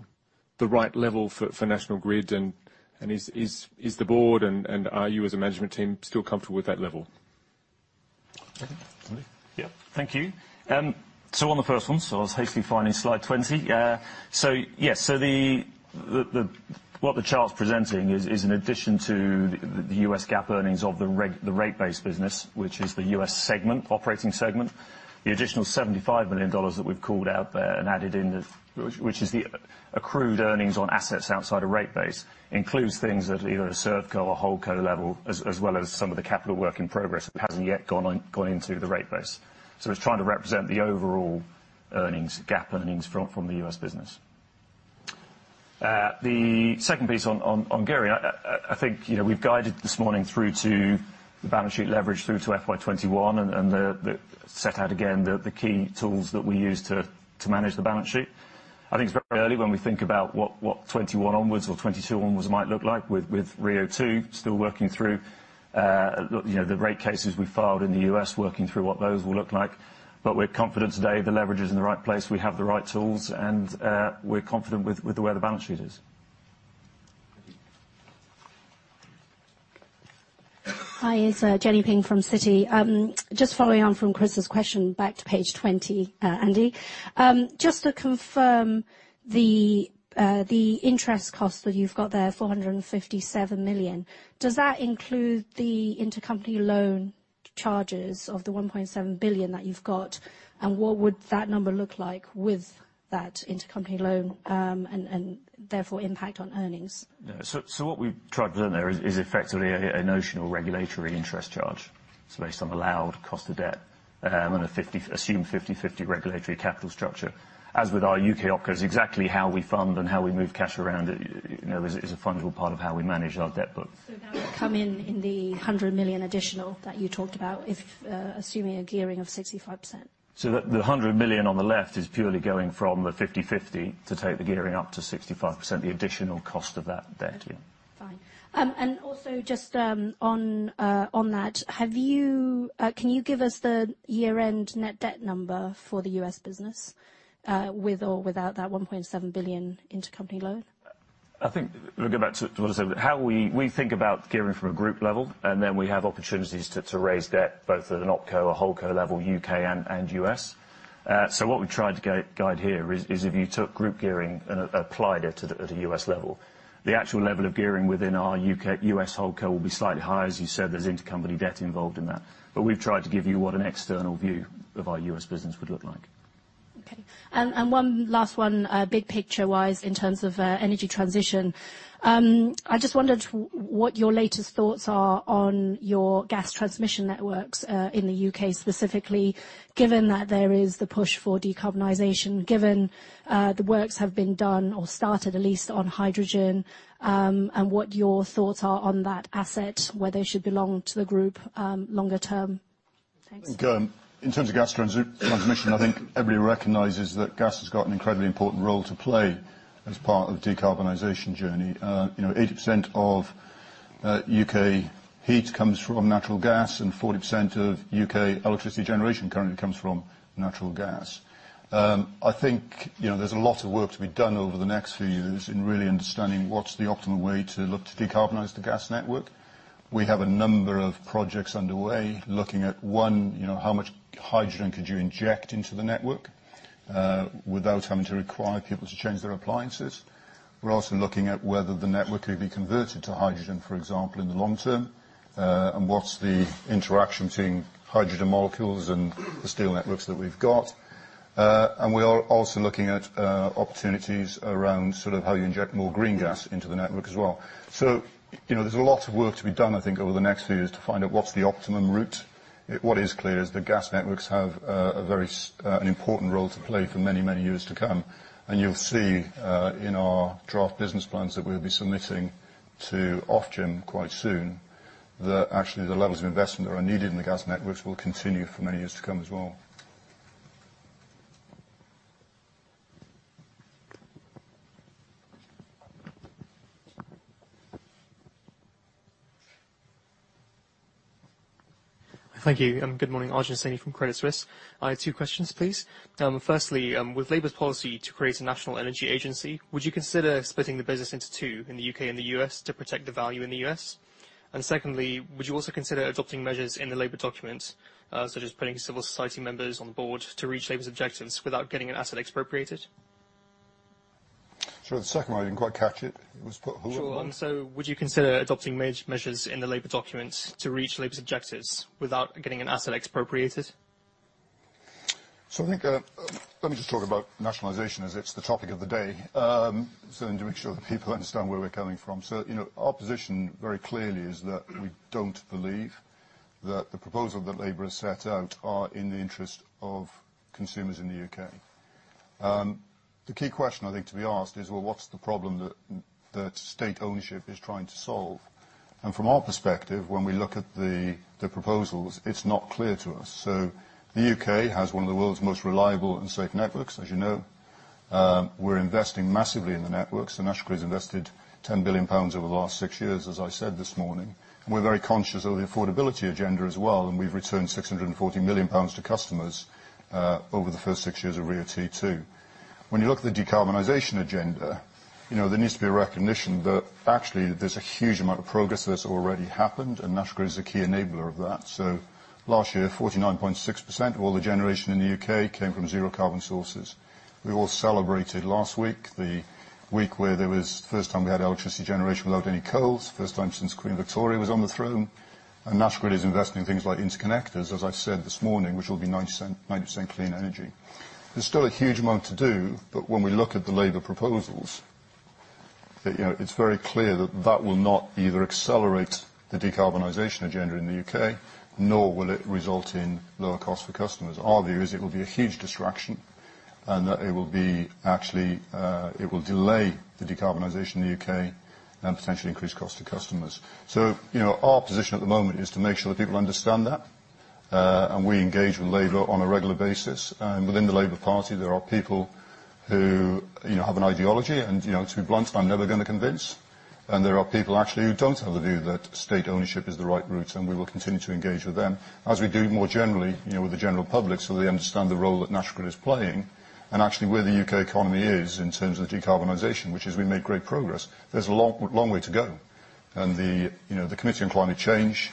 the right level for National Grid? And is the board and are you as a management team still comfortable with that level? Yeah, thank you. So on the first one, so I was hastily finding slide 20. So yes, so what the chart's presenting is in addition to the US GAAP earnings of the rate-based business, which is the US segment, operating segment, the additional $75 million that we've called out there and added in, which is the accrued earnings on assets outside of rate base, includes things at either a ServCo or HoldCo level, as well as some of the capital work in progress that hasn't yet gone into the rate base. So it's trying to represent the overall earnings, GAAP earnings from the US business. The second piece on gearing, I think we've guided this morning through to the balance sheet leverage through to FY21 and set out again the key tools that we use to manage the balance sheet. I think it's very early when we think about what 21 onwards or 22 onwards might look like, with RIIO-T2 still working through the rate cases we filed in the U.S., working through what those will look like. But we're confident today the leverage is in the right place, we have the right tools, and we're confident with the way the balance sheet is. Hi, it's Jenny Ping from Citi. Just following on from Chris's question, back to page 20, Andy. Just to confirm the interest cost that you've got there, 457 million, does that include the intercompany loan charges of the 1.7 billion that you've got? And what would that number look like with that intercompany loan and therefore impact on earnings? So what we've tried to do there is effectively a notional regulatory interest charge. It's based on allowed cost of debt and an assumed 50/50 regulatory capital structure. As with our UK OpCo, it's exactly how we fund and how we move cash around. It is a fundamental part of how we manage our debt book. So that would come in the £100 million additional that you talked about, assuming a gearing of 65%? So the £100 million on the left is purely going from the 50/50 to take the gearing up to 65%, the additional cost of that debt. Fine. And also just on that, can you give us the year-end net debt number for the US business with or without that £1.7 billion intercompany loan? I think we'll go back to what I said. We think about gearing from a group level, and then we have opportunities to raise debt both at an OpCo or HoldCo level, UK and US. So what we've tried to guide here is if you took group gearing and applied it at a US level, the actual level of gearing within our US HoldCo will be slightly higher, as you said. There's intercompany debt involved in that. But we've tried to give you what an external view of our US business would look like. Okay. And one last one, big picture-wise, in terms of energy transition. I just wondered what your latest thoughts are on your gas transmission networks in the UK, specifically, given that there is the push for decarbonization, given the works have been done or started, at least, on hydrogen, and what your thoughts are on that asset, whether it should belong to the group longer term. Thanks. In terms of gas transmission, I think everybody recognizes that gas has got an incredibly important role to play as part of the decarbonization journey. 80% of UK heat comes from natural gas, and 40% of UK electricity generation currently comes from natural gas. I think there's a lot of work to be done over the next few years in really understanding what's the optimal way to look to decarbonize the gas network. We have a number of projects underway looking at, one, how much hydrogen could you inject into the network without having to require people to change their appliances. We're also looking at whether the network could be converted to hydrogen, for example, in the long term, and what's the interaction between hydrogen molecules and the steel networks that we've got. We are also looking at opportunities around sort of how you inject more green gas into the network as well. So there's a lot of work to be done, I think, over the next few years to find out what's the optimum route. What is clear is the gas networks have an important role to play for many, many years to come. And you'll see in our draft business plans that we'll be submitting to Ofgem quite soon that actually the levels of investment that are needed in the gas networks will continue for many years to come as well. Thank you. Good morning, Arjun Saini from Credit Suisse. Two questions, please. Firstly, with Labour's policy to create a national energy agency, would you consider splitting the business into two in the UK and the US to protect the value in the US? And secondly, would you also consider adopting measures in the Labour document, such as putting civil society members on board to reach Labour's objectives without getting an asset expropriated? Sorry, the second one I didn't quite catch it. It was put whoever? Sure. And so would you consider adopting measures in the Labour document to reach Labour's objectives without getting an asset expropriated? So I think let me just talk about nationalization as it's the topic of the day, so then to make sure that people understand where we're coming from. So our position very clearly is that we don't believe that the proposal that Labour has set out are in the interest of consumers in the UK. The key question, I think, to be asked is, well, what's the problem that state ownership is trying to solve? From our perspective, when we look at the proposals, it's not clear to us. The U.K. has one of the world's most reliable and safe networks, as you know. We're investing massively in the networks. The National Grid has invested GBP 10 billion over the last six years, as I said this morning. We're very conscious of the affordability agenda as well, and we've returned 640 million pounds to customers over the first six years of RIIO-T2. When you look at the decarbonization agenda, there needs to be a recognition that actually there's a huge amount of progress that's already happened, and National Grid is a key enabler of that. Last year, 49.6% of all the generation in the U.K. came from zero carbon sources. We all celebrated last week, the week where there was the first time we had electricity generation without any coal, first time since Queen Victoria was on the throne. National Grid is investing in things like interconnectors, as I said this morning, which will be 90% clean energy. There's still a huge amount to do, but when we look at the Labour proposals, it's very clear that that will not either accelerate the decarbonization agenda in the UK, nor will it result in lower costs for customers. Our view is it will be a huge distraction and that it will be actually it will delay the decarbonization in the UK and potentially increase costs to customers. So our position at the moment is to make sure that people understand that, and we engage with Labour on a regular basis. Within the Labour Party, there are people who have an ideology, and to be blunt, I'm never going to convince. There are people actually who don't have the view that state ownership is the right route, and we will continue to engage with them. As we do more generally with the general public so they understand the role that National Grid is playing and actually where the UK economy is in terms of the decarbonization, which is we make great progress, there's a long way to go. The Committee on Climate Change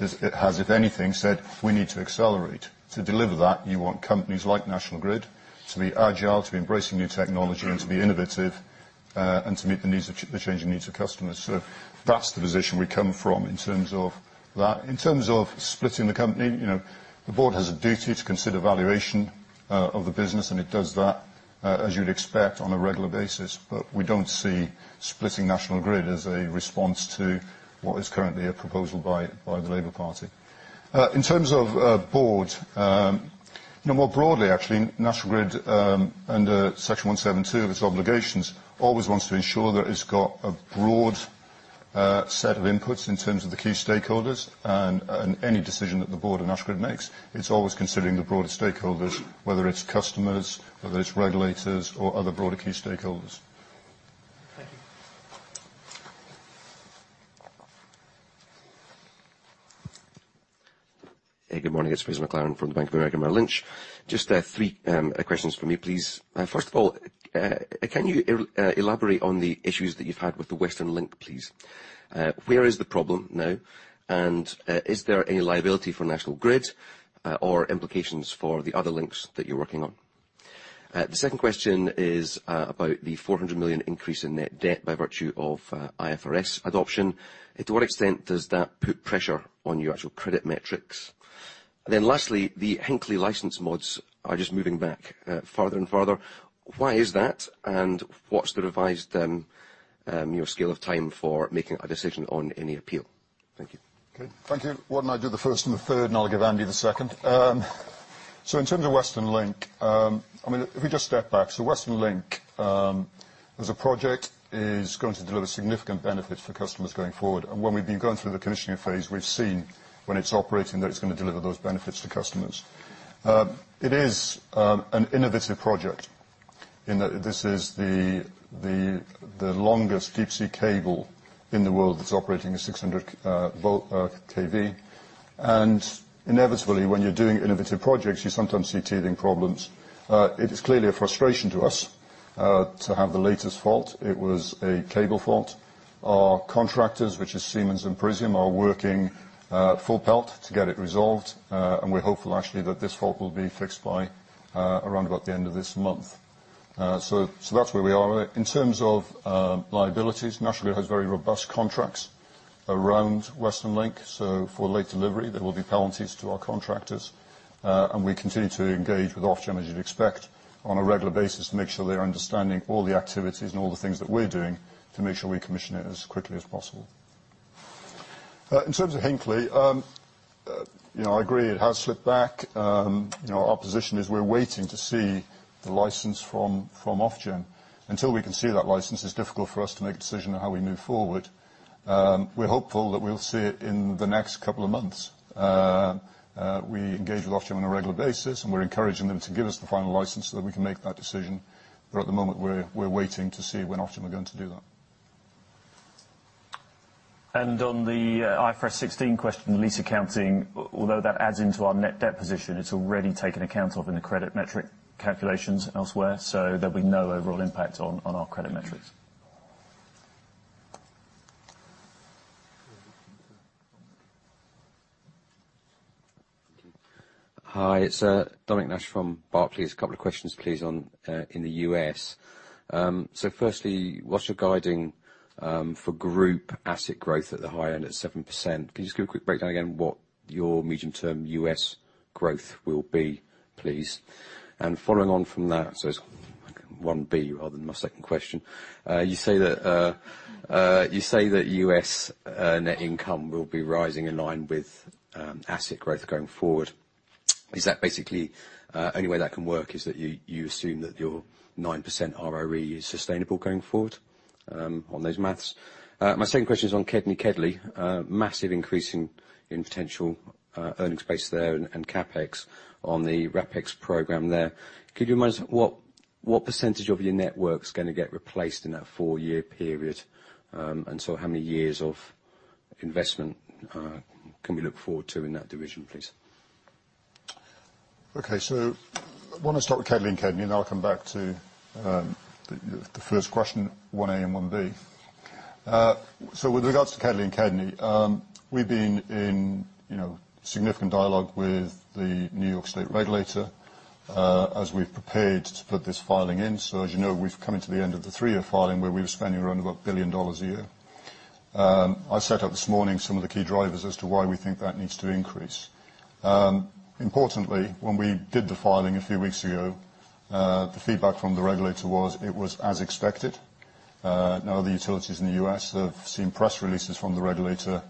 has, if anything, said we need to accelerate. To deliver that, you want companies like National Grid to be agile, to be embracing new technology, and to be innovative and to meet the changing needs of customers. That's the position we come from in terms of that. In terms of splitting the company, the board has a duty to consider valuation of the business, and it does that, as you'd expect, on a regular basis. But we don't see splitting National Grid as a response to what is currently a proposal by the Labour Party. In terms of board, more broadly, actually, National Grid under section 172 of its obligations always wants to ensure that it's got a broad set of inputs in terms of the key stakeholders. And any decision that the board of National Grid makes, it's always considering the broader stakeholders, whether it's customers, whether it's regulators, or other broader key stakeholders. Thank you. Hey, good morning. It's Peter Bisztyga from Bank of America Merrill Lynch. Just three questions for me, please. First of all, can you elaborate on the issues that you've had with the Western Link, please? Where is the problem now? And is there any liability for National Grid or implications for the other links that you're working on? The second question is about the 400 million increase in net debt by virtue of IFRS adoption. To what extent does that put pressure on your actual credit metrics? And then lastly, the Hinkley license mods are just moving back further and further. Why is that? And what's the revised scale of time for making a decision on any appeal? Thank you. Okay. Thank you. Why don't I do the first and the third, and I'll give Andy the second. So in terms of Western Link, I mean, if we just step back, so Western Link as a project is going to deliver significant benefits for customers going forward. When we've been going through the commissioning phase, we've seen when it's operating that it's going to deliver those benefits to customers. It is an innovative project in that this is the longest deep-sea cable in the world that's operating a 600 kV. Inevitably, when you're doing innovative projects, you sometimes see teething problems. It is clearly a frustration to us to have the latest fault. It was a cable fault. Our contractors, which is Siemens and Prysmian, are working full tilt to get it resolved. We're hopeful, actually, that this fault will be fixed by around about the end of this month. That's where we are. In terms of liabilities, National Grid has very robust contracts around Western Link. For late delivery, there will be penalties to our contractors. We continue to engage with Ofgem, as you'd expect, on a regular basis to make sure they're understanding all the activities and all the things that we're doing to make sure we commission it as quickly as possible. In terms of Hinkley, I agree it has slipped back. Our position is we're waiting to see the license from Ofgem. Until we can see that license, it's difficult for us to make a decision on how we move forward. We're hopeful that we'll see it in the next couple of months. We engage with Ofgem on a regular basis, and we're encouraging them to give us the final license so that we can make that decision. At the moment, we're waiting to see when Ofgem are going to do that. On the IFRS 16 question, lease accounting, although that adds into our net debt position, it's already taken account of in the credit metric calculations elsewhere. So there'll be no overall impact on our credit metrics. Hi, it's Dominic Nash from Barclays. A couple of questions, please. In the US. Firstly, what's your guidance for group asset growth at the high end at 7%? Can you just give a quick breakdown again what your medium-term US growth will be, please? Following on from that, it's 1B rather than my second question. You say that US net income will be rising in line with asset growth going forward. Is that basically the only way that can work? Is that you assume that your 9% ROE is sustainable going forward on those maths? My second question is on KEDNY and KEDLI, massive increase in potential earnings base there and CapEx on the replacement program there. Could you remind us what percentage of your network's going to get replaced in that four-year period? And so how many years of investment can we look forward to in that division, please? Okay. So I want to start with KEDNY and KEDLI, and then I'll come back to the first question, 1A and 1B. So with regards to KEDNY and KEDLI, we've been in significant dialogue with the New York State regulator as we've prepared to put this filing in. So as you know, we've come into the end of the three-year filing where we were spending around about $1 billion a year. I set out this morning some of the key drivers as to why we think that needs to increase. Importantly, when we did the filing a few weeks ago, the feedback from the regulator was it was as expected. Now, the utilities in the US have seen press releases from the regulator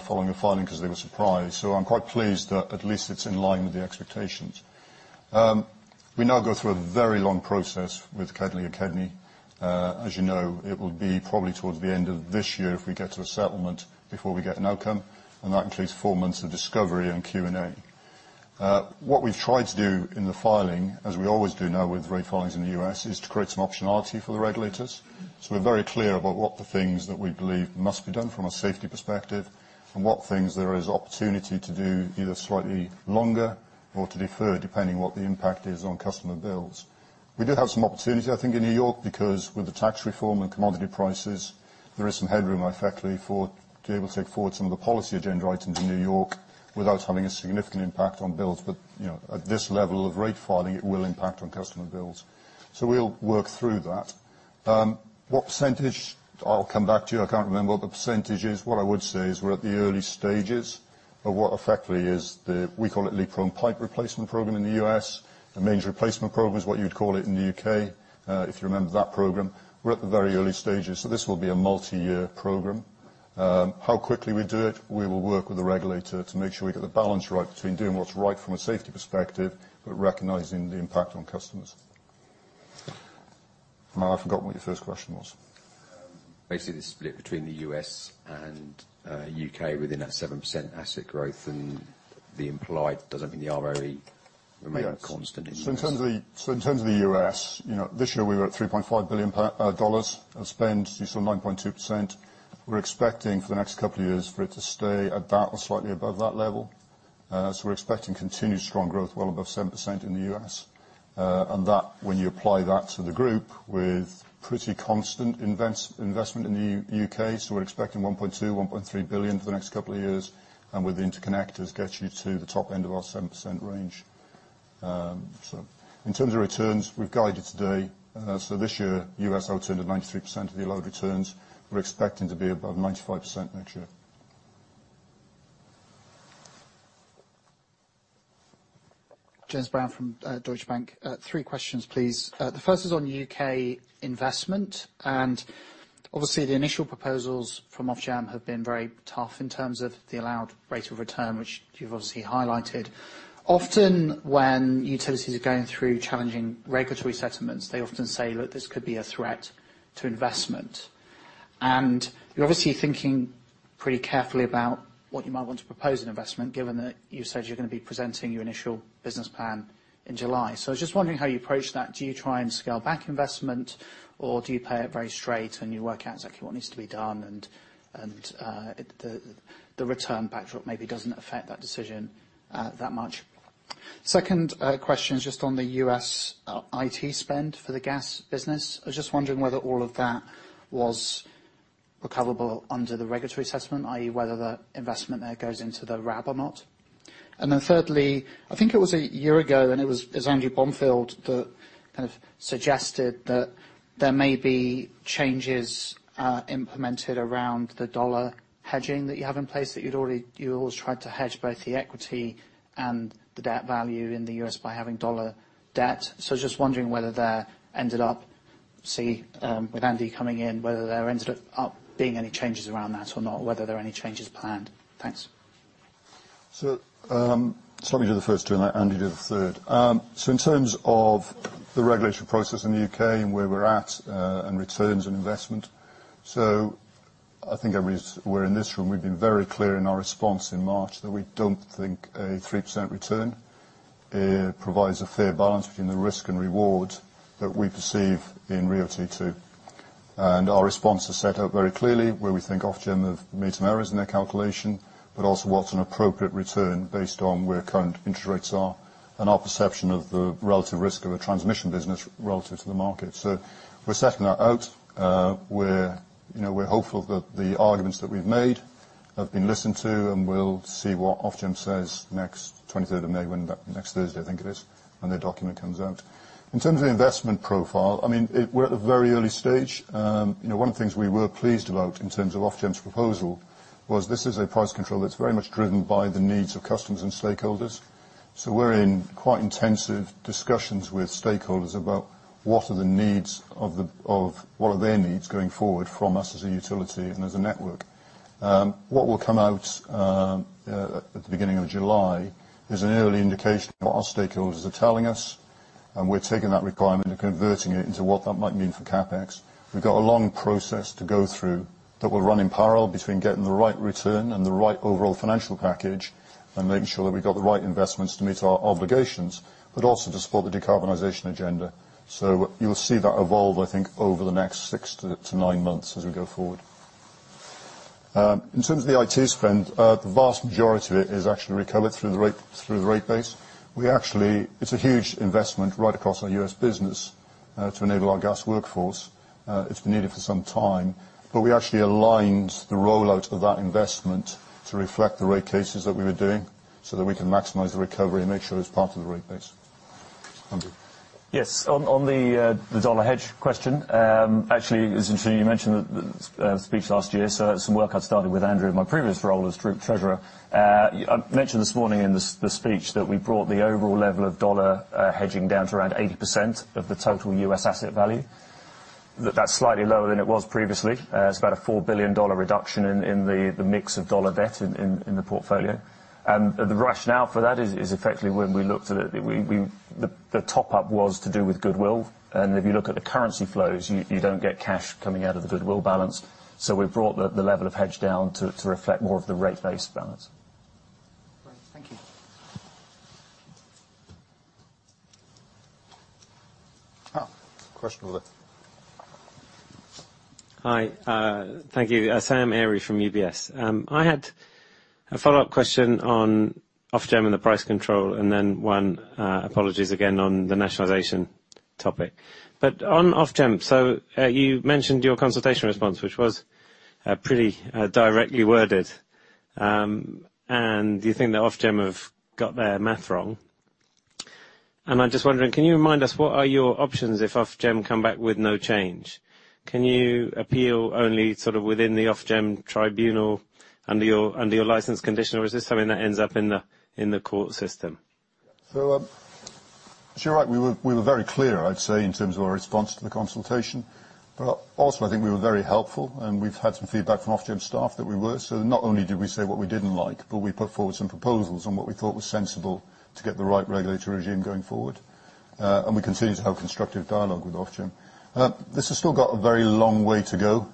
following the filing because they were surprised. So I'm quite pleased that at least it's in line with the expectations. We now go through a very long process with KEDNY. As you know, it will be probably towards the end of this year if we get to a settlement before we get an outcome, and that includes four months of discovery and Q&A. What we've tried to do in the filing, as we always do now with rate filings in the US, is to create some optionality for the regulators. So we're very clear about what the things that we believe must be done from a safety perspective and what things there is opportunity to do either slightly longer or to defer depending on what the impact is on customer bills. We do have some opportunity, I think, in New York because with the tax reform and commodity prices, there is some headroom, I think, to be able to take forward some of the policy agenda items in New York without having a significant impact on bills. But at this level of rate filing, it will impact on customer bills. So we'll work through that. What percentage? I'll come back to you. I can't remember what the percentage is. What I would say is we're at the early stages of what effectively is, we call it, the Leak Prone Pipe Replacement Program in the U.S. The Mains Replacement Program is what you'd call it in the U.K., if you remember that program. We're at the very early stages. So this will be a multi-year program. How quickly we do it, we will work with the regulator to make sure we get the balance right between doing what's right from a safety perspective but recognizing the impact on customers. I forgot what your first question was. Basically, the split between the U.S. and U.K. within that 7% asset growth and the implied doesn't mean the ROE remains constant in the U.S. So in terms of the U.S., this year we were at $3.5 billion of spend. You saw 9.2%. We're expecting for the next couple of years for it to stay at that or slightly above that level. So we're expecting continued strong growth well above 7% in the U.S. That, when you apply that to the group with pretty constant investment in the U.K., so we're expecting £1.2-£1.3 billion for the next couple of years. With the interconnectors, get you to the top end of our 7% range. In terms of returns, we've guided today. This year, U.S. at end of 93% of the allowed returns. We're expecting to be above 95% next year. James Brand from Deutsche Bank. Three questions, please. The first is on U.K. investment. Obviously, the initial proposals from Ofgem have been very tough in terms of the allowed rate of return, which you've obviously highlighted. Often when utilities are going through challenging regulatory settlements, they often say, "Look, this could be a threat to investment," and you're obviously thinking pretty carefully about what you might want to propose in investment, given that you said you're going to be presenting your initial business plan in July, so I was just wondering how you approach that. Do you try and scale back investment, or do you play it very straight and you work out exactly what needs to be done and the return backdrop maybe doesn't affect that decision that much? Second question is just on the US IT spend for the gas business. I was just wondering whether all of that was recoverable under the regulatory assessment, i.e., whether the investment there goes into the RAB or not. And then thirdly, I think it was a year ago, and it was Andrew Bonfield that kind of suggested that there may be changes implemented around the dollar hedging that you have in place that you always tried to hedge both the equity and the debt value in the U.S. by having dollar debt. So just wondering whether there ended up, see, with Andy coming in, whether there ended up being any changes around that or not, whether there are any changes planned. Thanks. So let me do the first two and let Andy do the third. So in terms of the regulatory process in the UK and where we're at and returns and investment, so I think everybody's aware in this room. We've been very clear in our response in March that we don't think a 3% return provides a fair balance between the risk and reward that we perceive in RIIO-T2. And our response is set up very clearly where we think Ofgem have made some errors in their calculation, but also what's an appropriate return based on where current interest rates are and our perception of the relative risk of a transmission business relative to the market. So we're setting that out. We're hopeful that the arguments that we've made have been listened to, and we'll see what Ofgem says next 23rd of May, when next Thursday, I think it is, when their document comes out. In terms of the investment profile, I mean, we're at the very early stage. One of the things we were pleased about in terms of Ofgem's proposal was this is a price control that's very much driven by the needs of customers and stakeholders. We're in quite intensive discussions with stakeholders about what are their needs going forward from us as a utility and as a network. What will come out at the beginning of July is an early indication of what our stakeholders are telling us. And we're taking that requirement and converting it into what that might mean for CapEx. We've got a long process to go through that will run in parallel between getting the right return and the right overall financial package and making sure that we've got the right investments to meet our obligations, but also to support the decarbonization agenda. So you'll see that evolve, I think, over the next six to nine months as we go forward. In terms of the IT spend, the vast majority of it is actually recovered through the rate base. It's a huge investment right across our U.S. business to enable our gas workforce. It's been needed for some time. But we actually aligned the rollout of that investment to reflect the rate cases that we were doing so that we can maximize the recovery and make sure it's part of the rate base. Thank you. Yes. On the dollar hedge question, actually, it was interesting you mentioned the speech last year. So some work I'd started with Andrew in my previous role as Treasurer. I mentioned this morning in the speech that we brought the overall level of dollar hedging down to around 80% of the total US asset value. That's slightly lower than it was previously. It's about a $4 billion reduction in the mix of dollar debt in the portfolio. And the rationale for that is effectively when we looked at it, the top-up was to do with goodwill. And if you look at the currency flows, you don't get cash coming out of the goodwill balance. So we brought the level of hedge down to reflect more of the rate-based balance. Thank you. Hi. Thank you. Sam Arie from UBS. I had a follow-up question on Ofgem and the price control, and then one, apologies again on the nationalization topic. On Ofgem, you mentioned your consultation response, which was pretty directly worded. You think that Ofgem have got their math wrong. I'm just wondering, can you remind us what are your options if Ofgem come back with no change? Can you appeal only sort of within the Ofgem tribunal under your license condition, or is this something that ends up in the court system? You're right. We were very clear, I'd say, in terms of our response to the consultation. We were also very helpful. We've had some feedback from Ofgem staff that we were. So not only did we say what we didn't like, but we put forward some proposals on what we thought was sensible to get the right regulatory regime going forward, and we continue to have constructive dialogue with Ofgem. This has still got a very long way to go,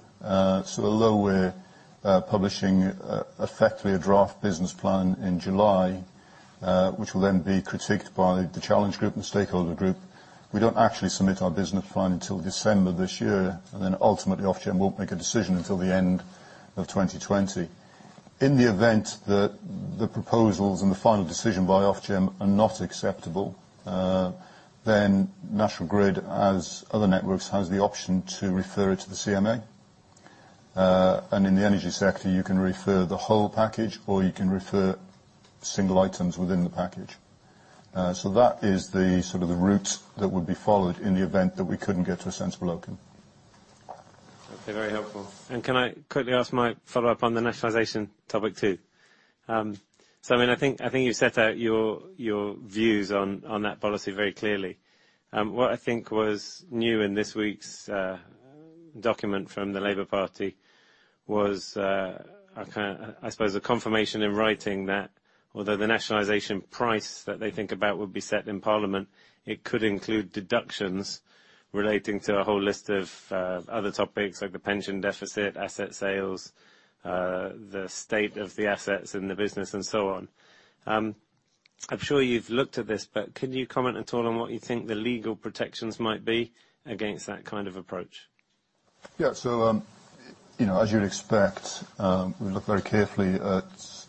so although we're publishing effectively a draft business plan in July, which will then be critiqued by the challenge group and stakeholder group, we don't actually submit our business plan until December this year, and then ultimately, Ofgem won't make a decision until the end of 2020. In the event that the proposals and the final decision by Ofgem are not acceptable, then National Grid, as other networks, has the option to refer it to the CMA, and in the energy sector, you can refer the whole package, or you can refer single items within the package. So that is sort of the route that would be followed in the event that we couldn't get to a sensible outcome. Okay. Very helpful. And can I quickly ask my follow-up on the nationalization topic too? So I mean, I think you've set out your views on that policy very clearly. What I think was new in this week's document from the Labour Party was, I suppose, a confirmation in writing that although the nationalization price that they think about would be set in Parliament, it could include deductions relating to a whole list of other topics like the pension deficit, asset sales, the state of the assets in the business, and so on. I'm sure you've looked at this, but can you comment at all on what you think the legal protections might be against that kind of approach? Yeah. As you'd expect, we look very carefully at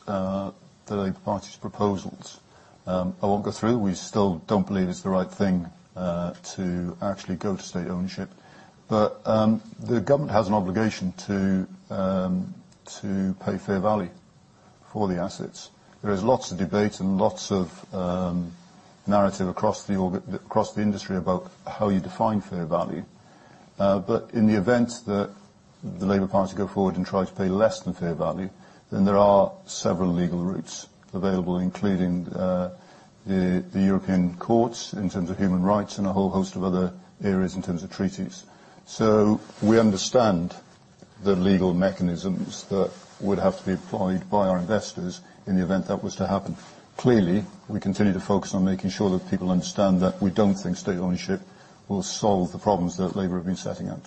the Labour Party's proposals. I won't go through them. We still don't believe it's the right thing to actually go to state ownership. But the government has an obligation to pay fair value for the assets. There is lots of debate and lots of narrative across the industry about how you define fair value. But in the event that the Labour Party go forward and try to pay less than fair value, then there are several legal routes available, including the European courts in terms of human rights and a whole host of other areas in terms of treaties. We understand the legal mechanisms that would have to be applied by our investors in the event that was to happen. Clearly, we continue to focus on making sure that people understand that we don't think state ownership will solve the problems that Labour have been setting out.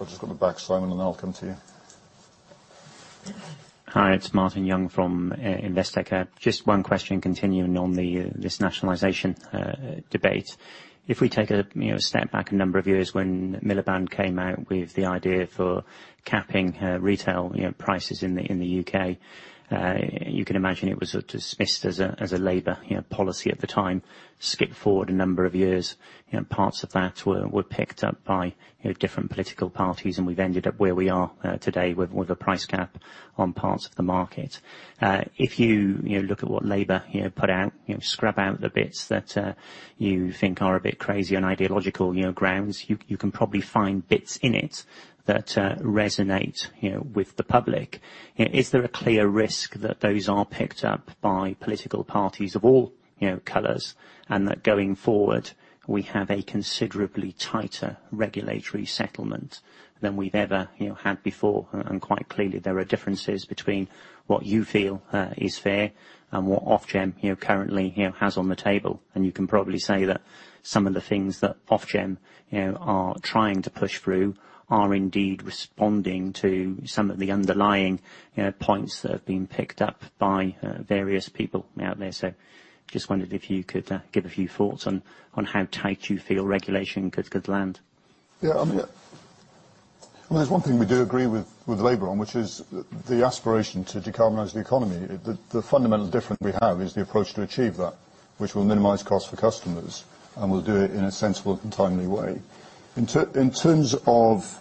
I've just got the back slide, and then I'll come to you. Hi. It's Martin Young from Investec. Just one question continuing on this nationalisation debate. If we take a step back a number of years when Miliband came out with the idea for capping retail prices in the UK, you can imagine it was dismissed as a Labour policy at the time. Skip forward a number of years, parts of that were picked up by different political parties, and we've ended up where we are today with a price cap on parts of the market. If you look at what Labour put out, scrub out the bits that you think are a bit crazy on ideological grounds, you can probably find bits in it that resonate with the public. Is there a clear risk that those are picked up by political parties of all colours and that going forward, we have a considerably tighter regulatory settlement than we've ever had before? And quite clearly, there are differences between what you feel is fair and what Ofgem currently has on the table. And you can probably say that some of the things that Ofgem are trying to push through are indeed responding to some of the underlying points that have been picked up by various people out there. So just wondered if you could give a few thoughts on how tight you feel regulation could land. Yeah. I mean, there's one thing we do agree with Labour on, which is the aspiration to decarbonize the economy. The fundamental difference we have is the approach to achieve that, which will minimize costs for customers, and we'll do it in a sensible and timely way. In terms of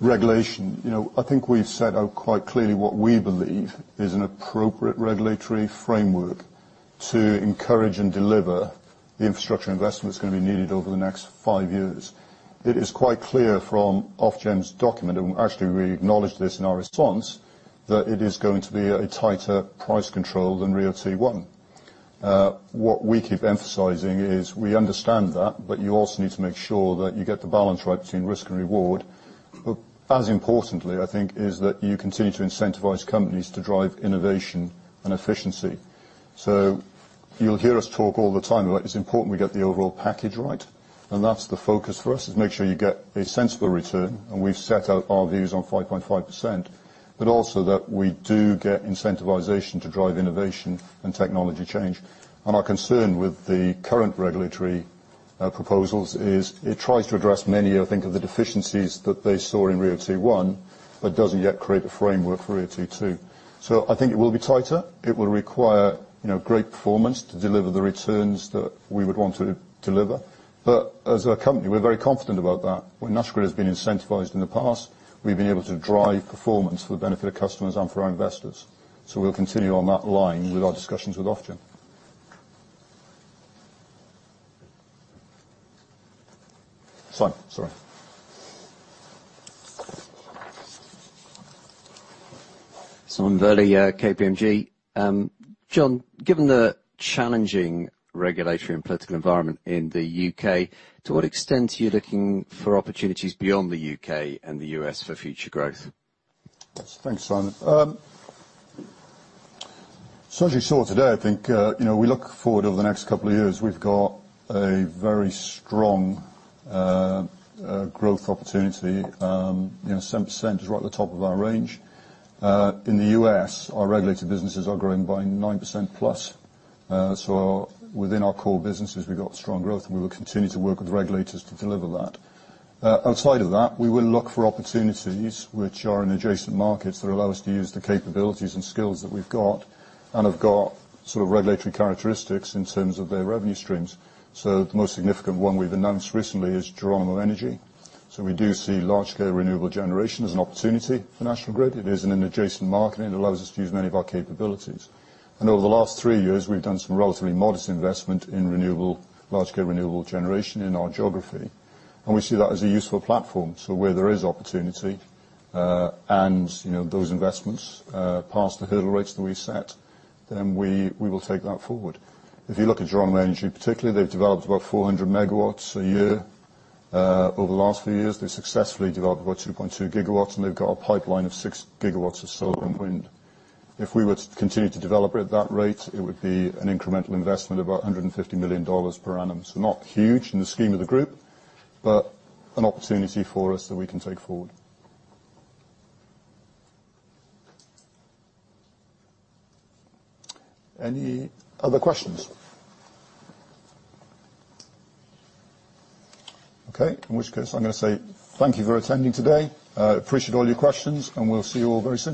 regulation, I think we've set out quite clearly what we believe is an appropriate regulatory framework to encourage and deliver the infrastructure investment that's going to be needed over the next five years. It is quite clear from Ofgem's document, and actually, we acknowledged this in our response, that it is going to be a tighter price control than RIIO-T1. What we keep emphasising is we understand that, but you also need to make sure that you get the balance right between risk and reward. But as importantly, I think, is that you continue to incentivize companies to drive innovation and efficiency. So you'll hear us talk all the time about it's important we get the overall package right. And that's the focus for us, is make sure you get a sensible return. And we've set out our views on 5.5%, but also that we do get incentivization to drive innovation and technology change. And our concern with the current regulatory proposals is it tries to address many, I think, of the deficiencies that they saw in RIIO-T1, but doesn't yet create a framework for RIIO-T2. So I think it will be tighter. It will require great performance to deliver the returns that we would want to deliver. But as a company, we're very confident about that. When National Grid has been incentivized in the past, we've been able to drive performance for the benefit of customers and for our investors. So we'll continue on that line with our discussions with Ofgem. Sorry. Simon Virley, KPMG. John, given the challenging regulatory and political environment in the U.K., to what extent are you looking for opportunities beyond the U.K. and the U.S. for future growth? Thanks, Simon. So as you saw today, I think we look forward over the next couple of years, we've got a very strong growth opportunity. 7% is right at the top of our range. In the U.S., our regulated businesses are growing by 9% plus. So within our core businesses, we've got strong growth, and we will continue to work with regulators to deliver that. Outside of that, we will look for opportunities which are in adjacent markets that allow us to use the capabilities and skills that we've got and have got sort of regulatory characteristics in terms of their revenue streams, so the most significant one we've announced recently is Geronimo Energy, so we do see large-scale renewable generation as an opportunity for National Grid. It is in an adjacent market, and it allows us to use many of our capabilities and over the last three years, we've done some relatively modest investment in large-scale renewable generation in our geography and we see that as a useful platform, so where there is opportunity and those investments pass the hurdle rates that we've set, then we will take that forward. If you look at Geronimo Energy particularly, they've developed about 400 megawatts a year. Over the last few years, they've successfully developed about 2.2 gigawatts, and they've got a pipeline of 6 gigawatts of solar and wind. If we were to continue to develop at that rate, it would be an incremental investment of about $150 million per annum. So not huge in the scheme of the group, but an opportunity for us that we can take forward. Any other questions? Okay. In which case, I'm going to say thank you for attending today. Appreciate all your questions, and we'll see you all very soon.